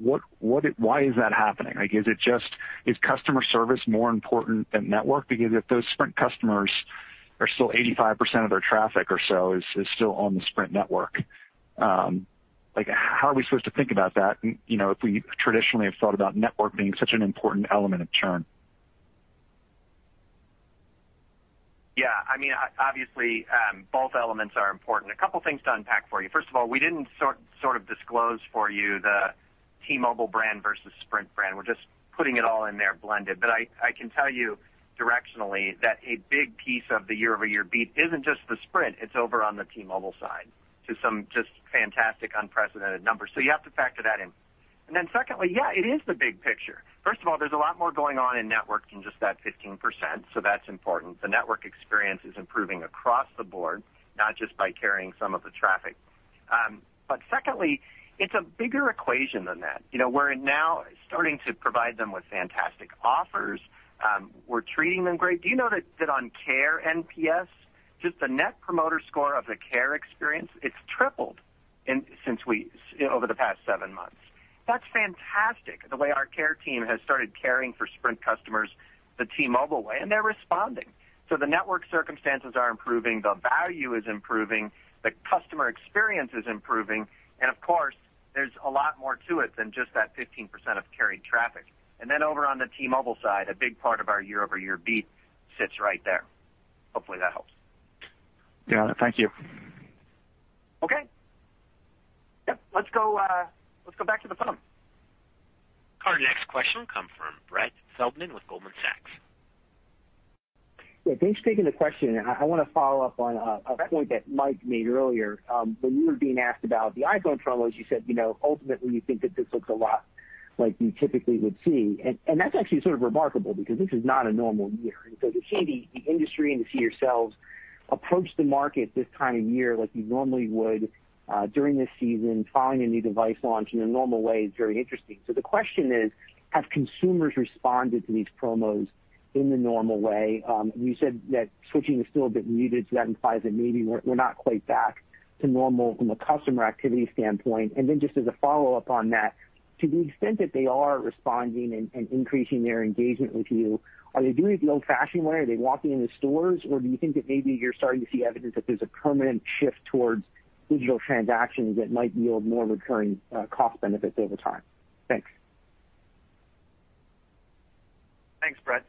why is that happening? Is customer service more important than network? If those Sprint customers are still 85% of their traffic or so is still on the Sprint network. How are we supposed to think about that if we traditionally have thought about network being such an important element of churn? Yeah. Imean, obviously, both elements are important. A couple things to unpack for you. We didn't sort of disclose for you the T-Mobile brand versus Sprint brand. We're just putting it all in there blended. I can tell you directionally that a big piece of the year-over-year beat isn't just the Sprint, it's over on the T-Mobile side to some just fantastic, unprecedented numbers. You have to factor that in. Secondly, yeah, it is the big picture. There's a lot more going on in networks than just that 15%, so that's important. The network experience is improving across the board, not just by carrying some of the traffic. Secondly, it's a bigger equation than that. We're now starting to provide them with fantastic offers. We're treating them great. Do you know that on care NPS, just the net promoter score of the care experience, it's tripled over the past seven months? That's fantastic, the way our care team has started caring for Sprint customers the T-Mobile way, and they're responding. The network circumstances are improving, the value is improving, the customer experience is improving, and of course, there's a lot more to it than just that 15% of carried traffic. Over on the T-Mobile side, a big part of our year-over-year beat sits right there. Hopefully, that helps. Got it. Thank you. Okay. Yep. Let's go back to the phone. Our next question comes from Brett Feldman with Goldman Sachs. Yeah, thanks for taking the question. I want to follow up on a point that Mike made earlier. When you were being asked about the iPhone promos, you said, ultimately, you think that this looks a lot like you typically would see. That's actually sort of remarkable because this is not a normal year. To see the industry and to see yourselves approach the market this time of year like you normally would during this season, following a new device launch in a normal way is very interesting. The question is, have consumers responded to these promos in the normal way? You said that switching is still a bit muted, that implies that maybe we're not quite back to normal from a customer activity standpoint. Just as a follow-up on that, to the extent that they are responding and increasing their engagement with you, are they doing it the old-fashioned way? Are they walking into stores, or do you think that maybe you're starting to see evidence that there's a permanent shift towards digital transactions that might yield more recurring cost benefits over time? Thanks. Thanks, Brett.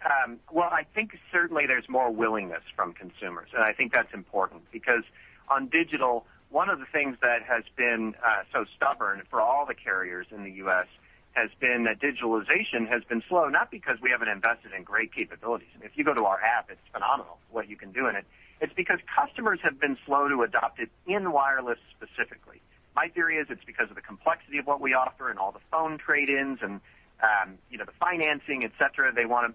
Well, I think certainly there's more willingness from consumers. I think that's important because on digital, one of the things that has been so stubborn for all the carriers in the U.S. has been that digitalization has been slow, not because we haven't invested in great capabilities. If you go to our app, it's phenomenal what you can do in it. It's because customers have been slow to adopt it in wireless specifically. My theory is it's because of the complexity of what we offer and all the phone trade-ins and the financing, et cetera. They want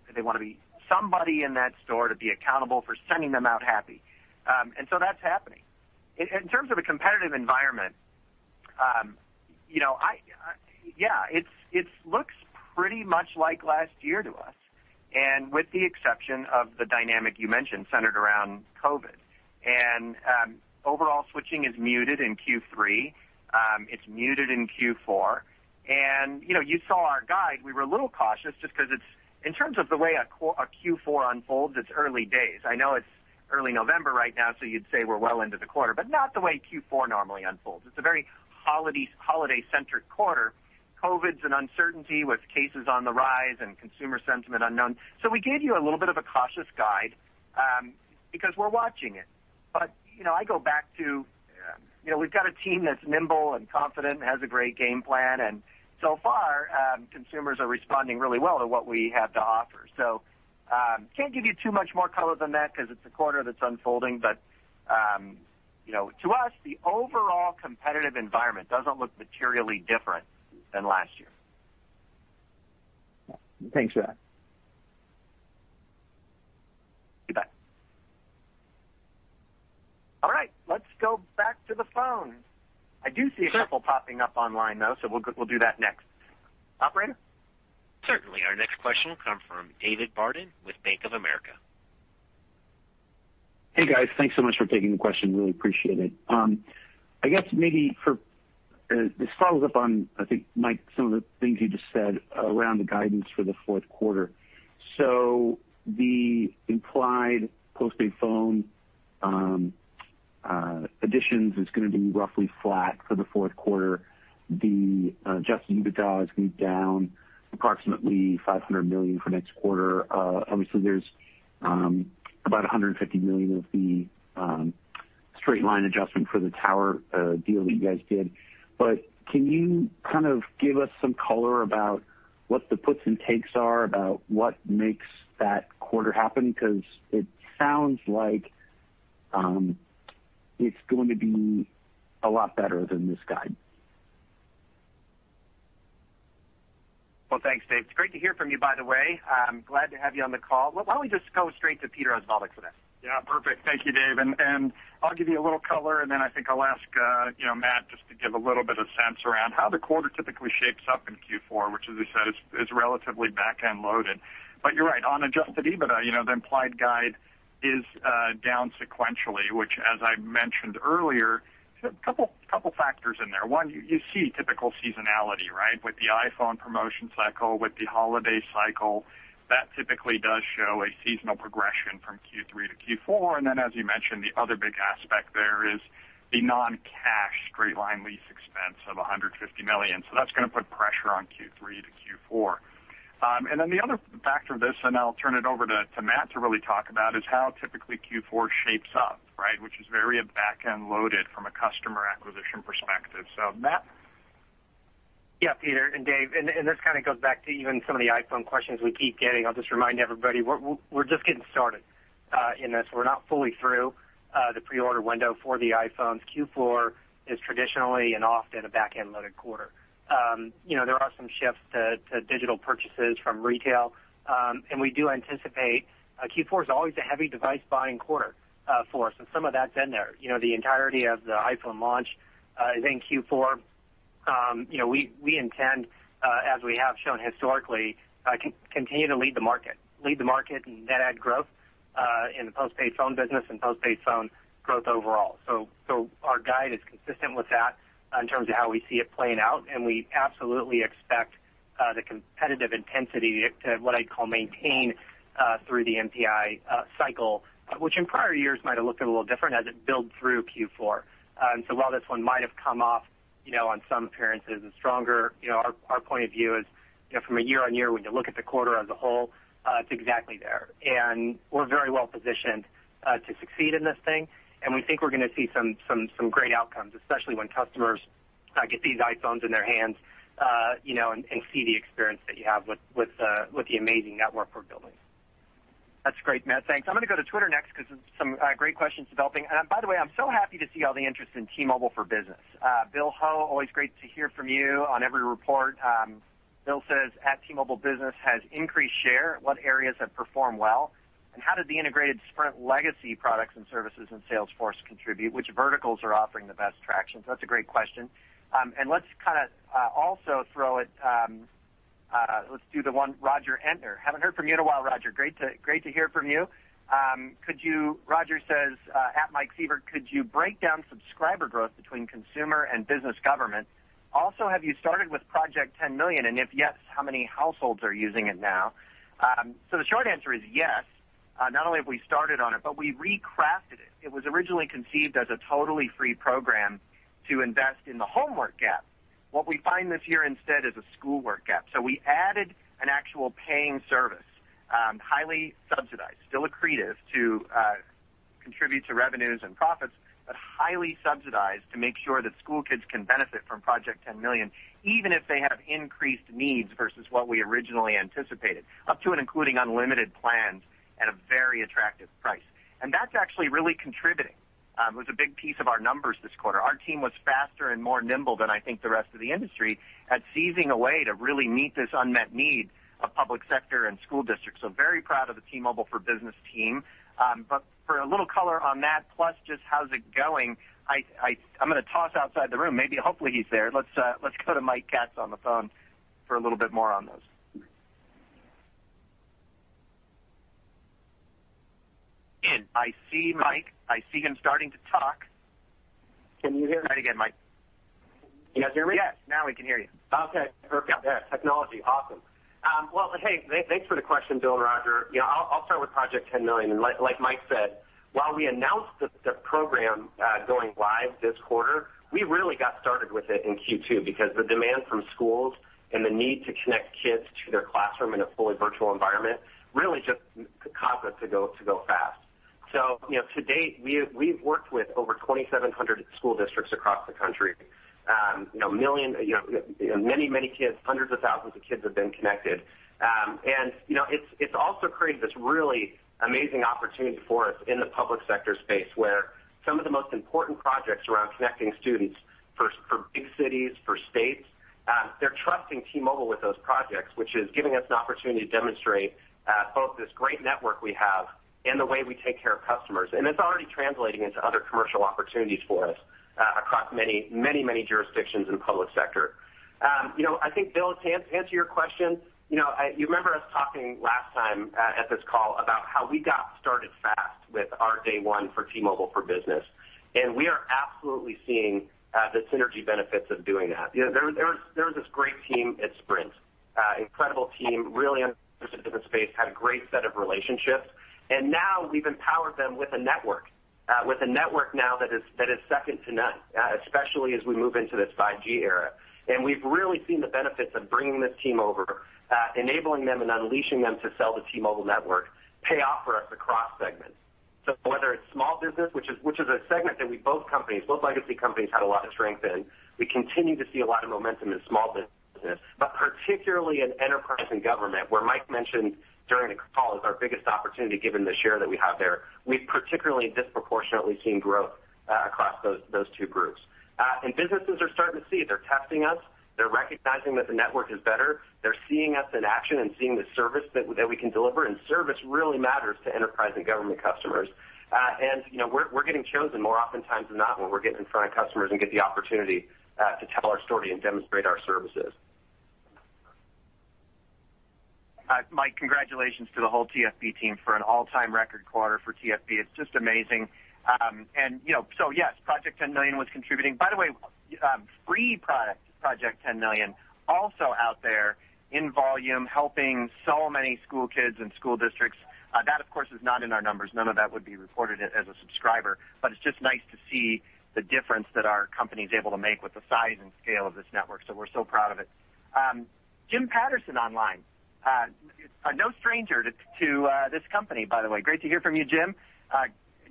somebody in that store to be accountable for sending them out happy. So that's happening. In terms of a competitive environment, yeah, it looks pretty much like last year to us, and with the exception of the dynamic you mentioned centered around COVID. Overall switching is muted in Q3. It's muted in Q4. You saw our guide. We were a little cautious just because in terms of the way a Q4 unfolds, it's early days. I know it's early November right now, so you'd say we're well into the quarter, but not the way Q4 normally unfolds. It's a very holiday-centric quarter. COVID's an uncertainty with cases on the rise and consumer sentiment unknown. We gave you a little bit of a cautious guide, because we're watching it. I go back to, we've got a team that's nimble and confident and has a great game plan. So far, consumers are responding really well to what we have to offer. Can't give you too much more color than that because it's a quarter that's unfolding. To us, the overall competitive environment doesn't look materially different than last year. Thanks for that. Goodbye. All right. Let's go back to the phone. I do see a couple popping up online, though, so we'll do that next. Operator? Certainly. Our next question will come from David Barden with Bank of America. Hey, guys. Thanks so much for taking the question. Really appreciate it. I guess maybe this follows up on, I think, Mike, some of the things you just said around the guidance for the fourth quarter. The implied postpaid phone additions is going to be roughly flat for the fourth quarter. The Adjusted EBITDA is going to be down approximately $500 million for next quarter. Obviously, there's about $150 million of the straight-line adjustment for the tower deal that you guys did. Can you kind of give us some color about what the puts and takes are about what makes that quarter happen? It sounds like it's going to be a lot better than this guide. Well, thanks, Dave. It's great to hear from you, by the way. I'm glad to have you on the call. Why don't we just go straight to Peter Osvaldik for that? Yeah, perfect. Thank you, Dave. I'll give you a little color, then I think I'll ask Matt just to give a little bit of sense around how the quarter typically shapes up in Q4, which, as we said, is relatively back-end loaded. You're right, on Adjusted EBITDA, the implied guide is down sequentially, which, as I mentioned earlier, there's a couple factors in there. One, you see typical seasonality, right? With the iPhone promotion cycle, with the holiday cycle. That typically does show a seasonal progression from Q3 to Q4. Then, as you mentioned, the other big aspect there is the non-cash straight-line lease expense of $150 million. That's going to put pressure on Q3-Q4. The other factor of this, and I'll turn it over to Matt to really talk about, is how typically Q4 shapes up, right, which is very back-end loaded from a customer acquisition perspective. Matt? Yeah, Peter and Dave, and this kind of goes back to even some of the iPhone questions we keep getting. I'll just remind everybody, we're just getting started in this. We're not fully through the pre-order window for the iPhones. Q4 is traditionally and often a back-end loaded quarter. There are some shifts to digital purchases from retail. We do anticipate Q4 is always a heavy device buying quarter for us, and some of that's in there. The entirety of the iPhone launch is in Q4. We intend, as we have shown historically, to continue to lead the market in net add growth, in the postpaid phone business and postpaid phone growth overall. Our guide is consistent with that in terms of how we see it playing out, and we absolutely expect the competitive intensity to, what I'd call, maintain through the NPI cycle, which in prior years might have looked a little different as it built through Q4. While this one might have come off on some appearances as stronger, our point of view is from a year-on-year, when you look at the quarter as a whole, it's exactly there. We're very well positioned to succeed in this thing, and we think we're going to see some great outcomes, especially when customers get these iPhones in their hands and see the experience that you have with the amazing network we're building. That's great, Matt. Thanks. I'm going to go to Twitter next because there's some great questions developing. By the way, I'm so happy to see all the interest in T-Mobile for Business. Bill Ho, always great to hear from you on every report. Bill says, "T-Mobile Business has increased share. What areas have performed well? How did the integrated Sprint legacy products and services and sales force contribute? Which verticals are offering the best traction?" That's a great question. Let's do the one Roger Entner. Haven't heard from you in a while, Roger. Great to hear from you. Roger says, "@MikeSievert, could you break down subscriber growth between consumer and business government? Also, have you started with Project 10Million? If yes, how many households are using it now?" The short answer is yes. Not only have we started on it, but we've recrafted it. It was originally conceived as a totally free program to invest in the homework gap. What we find this year instead is a schoolwork gap. We added an actual paying service, highly subsidized, still accretive to contribute to revenues and profits, but highly subsidized to make sure that school kids can benefit from Project 10Million, even if they have increased needs versus what we originally anticipated, up to and including unlimited plans. Very attractive price. That's actually really contributing. It was a big piece of our numbers this quarter. Our team was faster and more nimble than, I think, the rest of the industry at seizing a way to really meet this unmet need of public sector and school districts. Very proud of the T-Mobile for Business team. For a little color on that, plus just how's it going, I'm going to toss outside the room. Maybe, hopefully, he's there. Let's go to Mike Katz on the phone for a little bit more on those. In. I see Mike. I see him starting to talk. Can you hear me? Try again, Mike. You guys hear me? Yes. Now we can hear you. Okay. Perfect. Yeah. Technology, awesome. Well, hey, thanks for the question, Bill and Roger. I'll start with Project 10Million, and like Mike said, while we announced the program going live this quarter, we really got started with it in Q2 because the demand from schools and the need to connect kids to their classroom in a fully virtual environment really just caused us to go fast. To date, we've worked with over 2,700 school districts across the country. Many kids, hundreds of thousands of kids have been connected. It's also created this really amazing opportunity for us in the public sector space where some of the most important projects around connecting students for big cities, for states, they're trusting T-Mobile with those projects, which is giving us an opportunity to demonstrate both this great network we have and the way we take care of customers. It's already translating into other commercial opportunities for us across many jurisdictions in the public sector. I think, Bill, to answer your question, you remember us talking last time at this call about how we got started fast with our day one for T-Mobile for Business. We are absolutely seeing the synergy benefits of doing that. There was this great team at Sprint, incredible team, really understood the business space, had a great set of relationships. Now we've empowered them with a network now that is second to none, especially as we move into this 5G era. We've really seen the benefits of bringing this team over, enabling them and unleashing them to sell the T-Mobile network pay off for us across segments. Whether it's small business, which is a segment that both legacy companies had a lot of strength in. We continue to see a lot of momentum in small business, but particularly in enterprise and government, where Mike mentioned during the call is our biggest opportunity given the share that we have there. We've particularly disproportionately seen growth across those two groups. Businesses are starting to see it. They're testing us. They're recognizing that the network is better. They're seeing us in action and seeing the service that we can deliver, and service really matters to enterprise and government customers. We're getting chosen more oftentimes than not when we're getting in front of customers and get the opportunity to tell our story and demonstrate our services. Mike, congratulations to the whole TFB team for an all-time record quarter for TFB. It's just amazing. Yes, Project 10 Million was contributing. By the way, free Project 10 Million also out there in volume, helping so many school kids and school districts. That, of course, is not in our numbers. None of that would be reported as a subscriber, but it's just nice to see the difference that our company's able to make with the size and scale of this network. We're so proud of it. Jim Patterson online. No stranger to this company, by the way. Great to hear from you, Jim.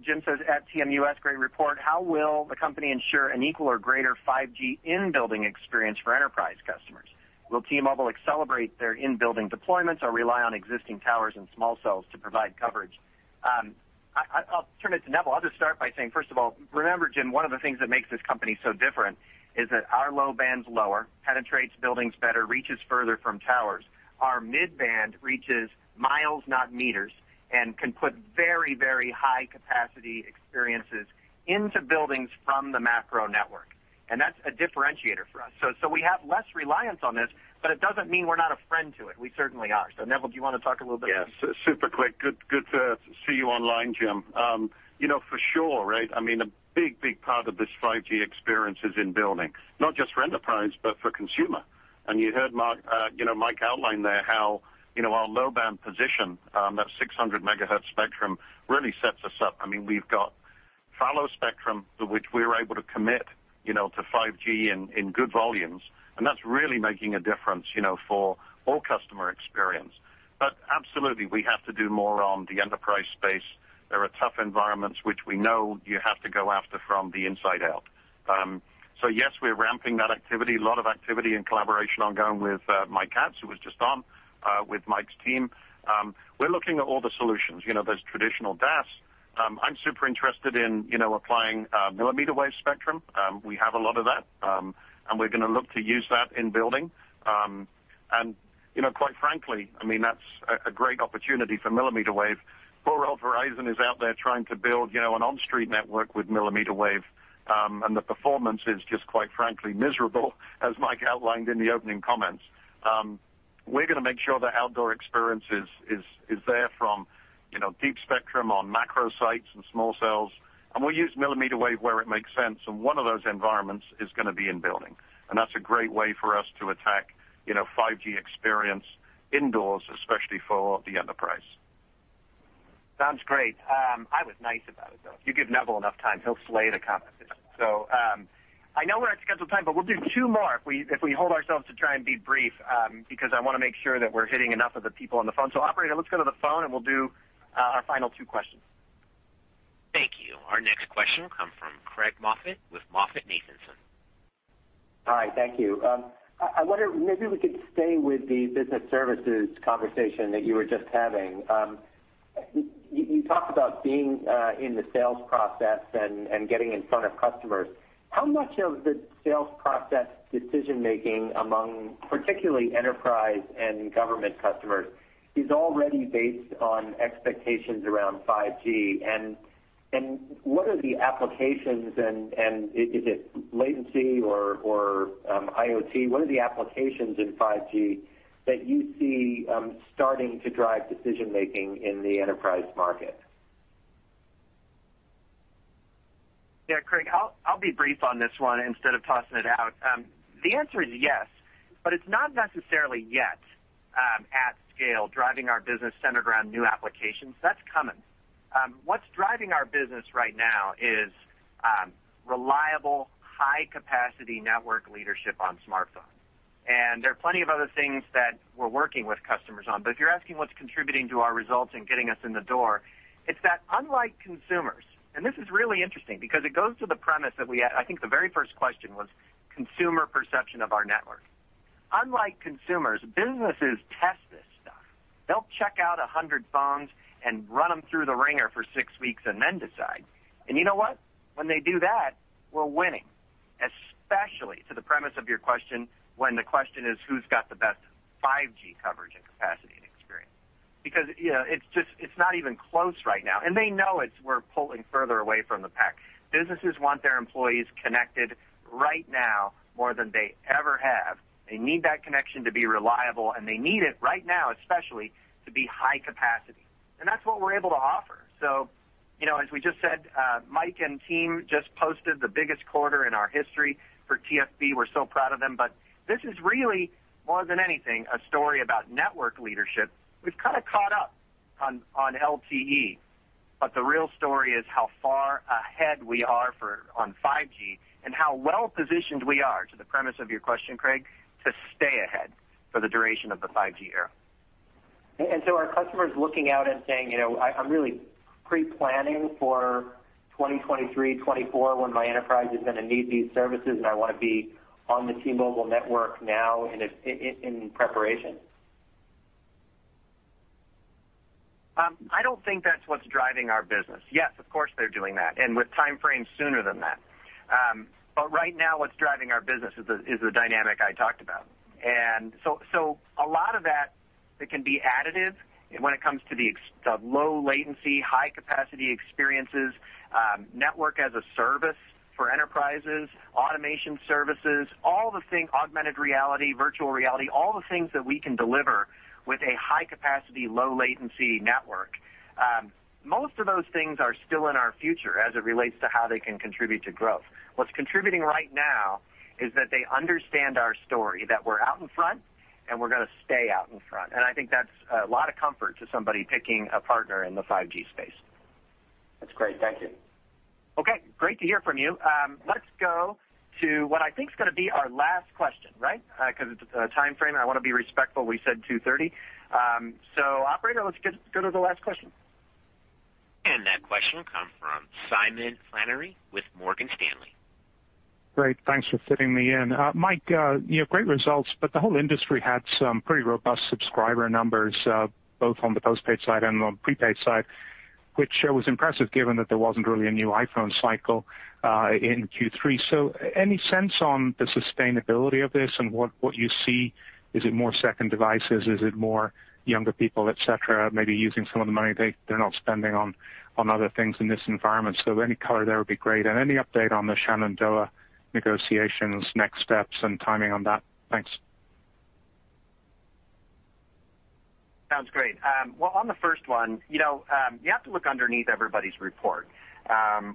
Jim says, "@TMUS, great report. How will the company ensure an equal or greater 5G in-building experience for enterprise customers? Will T-Mobile accelerate their in-building deployments or rely on existing towers and small cells to provide coverage?" I'll turn it to Neville. I'll just start by saying, first of all, remember, Jim, one of the things that makes this company so different is that our low band's lower, penetrates buildings better, reaches further from towers. Our mid-band reaches miles, not meters, and can put very, very high capacity experiences into buildings from the macro network, and that's a differentiator for us. We have less reliance on this, but it doesn't mean we're not a friend to it. We certainly are. Neville, do you want to talk a little bit? Yes. Super quick. Good to see you online, Jim. For sure, right? A big part of this 5G experience is in building, not just for enterprise, but for consumer. You heard Mike outline there how our low-band position, that 600 MHz spectrum really sets us up. We've got fallow spectrum which we're able to commit to 5G in good volumes, that's really making a difference for all customer experience. Absolutely, we have to do more on the enterprise space. There are tough environments which we know you have to go after from the inside out. Yes, we're ramping that activity, a lot of activity and collaboration ongoing with Mike Katz, who was just on, with Mike's team. We're looking at all the solutions. There's traditional DAS. I'm super interested in applying millimeter wave spectrum. We have a lot of that. We're going to look to use that in building. Quite frankly, that's a great opportunity for millimeter wave. Poor old Verizon is out there trying to build an on-street network with millimeter wave, and the performance is just, quite frankly, miserable, as Mike outlined in the opening comments. We're going to make sure the outdoor experience is there from deep spectrum on macro sites and small cells, and we'll use millimeter wave where it makes sense, and one of those environments is going to be in building. That's a great way for us to attack 5G experience indoors, especially for the enterprise. Sounds great. I was nice about it, though. If you give Neville enough time, he'll slay the competition. I know we're at scheduled time, we'll do two more if we hold ourselves to try and be brief, because I want to make sure that we're hitting enough of the people on the phone. Operator, let's go to the phone and we'll do our final two questions. Thank you. Our next question comes from Craig Moffett with MoffettNathanson. Hi, thank you. I wonder, maybe we could stay with the business services conversation that you were just having. You talked about being in the sales process and getting in front of customers. How much of the sales process decision-making among particularly enterprise and government customers is already based on expectations around 5G? Is it latency or IoT? What are the applications in 5G that you see starting to drive decision-making in the enterprise market? Craig, I'll be brief on this one instead of tossing it out. The answer is yes, it's not necessarily yet at scale, driving our business centered around new applications. That's coming. What's driving our business right now is reliable, high-capacity network leadership on smartphones. There are plenty of other things that we're working with customers on. If you're asking what's contributing to our results and getting us in the door, it's that unlike consumers, and this is really interesting because it goes to the premise that we had, I think the very first question was consumer perception of our network. Unlike consumers, businesses test this stuff. They'll check out 100 phones and run them through the wringer for six weeks and then decide. You know what. When they do that, we're winning, especially to the premise of your question, when the question is, who's got the best 5G coverage and capacity and experience? It's not even close right now, and they know we're pulling further away from the pack. Businesses want their employees connected right now more than they ever have. They need that connection to be reliable, and they need it right now, especially, to be high capacity. That's what we're able to offer. As we just said, Mike and team just posted the biggest quarter in our history for TFB. We're so proud of them. This is really, more than anything, a story about network leadership. We've kind of caught up on LTE. The real story is how far ahead we are on 5G and how well positioned we are, to the premise of your question, Craig, to stay ahead for the duration of the 5G era. Are customers looking out and saying, I'm really pre-planning for 2023-2024 when my enterprise is going to need these services and I want to be on the T-Mobile network now in preparation? I don't think that's what's driving our business. Yes, of course, they're doing that, and with time frames sooner than that. Right now, what's driving our business is the dynamic I talked about. A lot of that can be additive when it comes to the low latency, high-capacity experiences, network as a service for enterprises, automation services, augmented reality, virtual reality, all the things that we can deliver with a high capacity, low latency network. Most of those things are still in our future as it relates to how they can contribute to growth. What's contributing right now is that they understand our story, that we're out in front and we're going to stay out in front. I think that's a lot of comfort to somebody picking a partner in the 5G space. That's great. Thank you. Okay, great to hear from you. Let's go to what I think is going to be our last question, right? Because of the time frame, and I want to be respectful. We said 2:30 P.M. Operator, let's go to the last question. That question comes from Simon Flannery with Morgan Stanley. Great. Thanks for fitting me in. Mike, great results, but the whole industry had some pretty robust subscriber numbers, both on the postpaid side and on the prepaid side, which was impressive given that there wasn't really a new iPhone cycle in Q3. Any sense on the sustainability of this and what you see? Is it more second devices? Is it more younger people, et cetera, maybe using some of the money they're not spending on other things in this environment? Any color there would be great, and any update on the Shentel negotiations, next steps, and timing on that. Thanks. Sounds great. Well, on the first one, you have to look underneath everybody's report.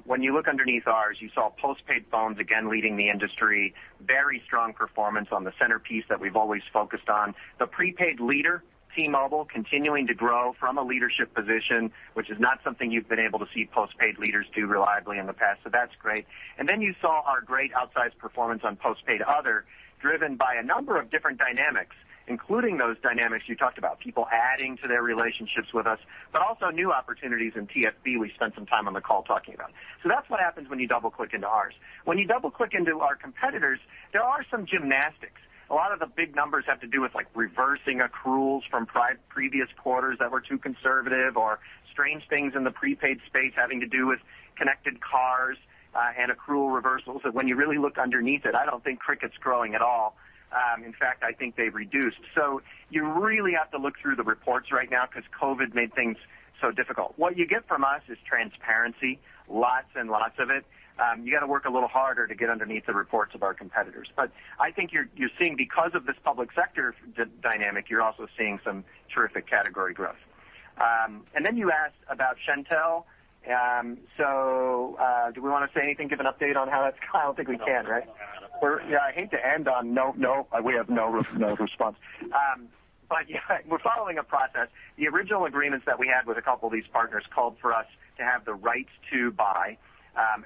When you look underneath ours, you saw postpaid phones again leading the industry. Very strong performance on the centerpiece that we've always focused on. The prepaid leader, T-Mobile, continuing to grow from a leadership position, which is not something you've been able to see postpaid leaders do reliably in the past, so that's great. Then you saw our great outsized performance on postpaid other, driven by a number of different dynamics, including those dynamics you talked about, people adding to their relationships with us, but also new opportunities in TFB we spent some time on the call talking about. That's what happens when you double-click into ours. When you double-click into our competitors', there are some gymnastics. A lot of the big numbers have to do with reversing accruals from previous quarters that were too conservative or strange things in the prepaid space having to do with connected cars and accrual reversals. When you really look underneath it, I don't think Cricket's growing at all. In fact, I think they've reduced. You really have to look through the reports right now because COVID made things so difficult. What you get from us is transparency, lots and lots of it. You got to work a little harder to get underneath the reports of our competitors. I think you're seeing because of this public sector dynamic, you're also seeing some terrific category growth. You asked about Shentel. Do we want to say anything, give an update on? I don't think we can, right? No. I hate to end on- We have no response. We're following a process. The original agreements that we had with a couple of these partners called for us to have the rights to buy.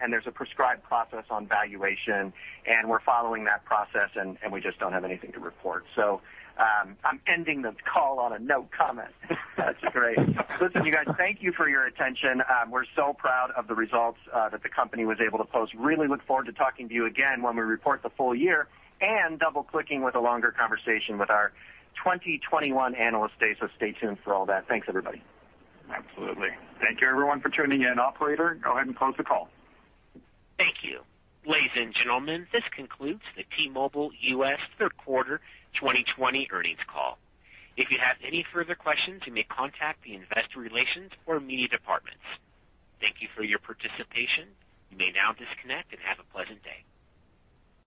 There's a prescribed process on valuation, and we're following that process, and we just don't have anything to report. I'm ending this call on a no comment. That's great. Listen, you guys, thank you for your attention. We're so proud of the results that the company was able to post. Really look forward to talking to you again when we report the full year and double-clicking with a longer conversation with our 2021 Analyst Day. Stay tuned for all that. Thanks, everybody. Absolutely. Thank you, everyone, for tuning in. Operator, go ahead and close the call. Thank you. Ladies and gentlemen, this concludes the T-Mobile US third quarter 2020 earnings call. If you have any further questions, you may contact the investor relations or media departments. Thank you for your participation. You may now disconnect and have a pleasant day.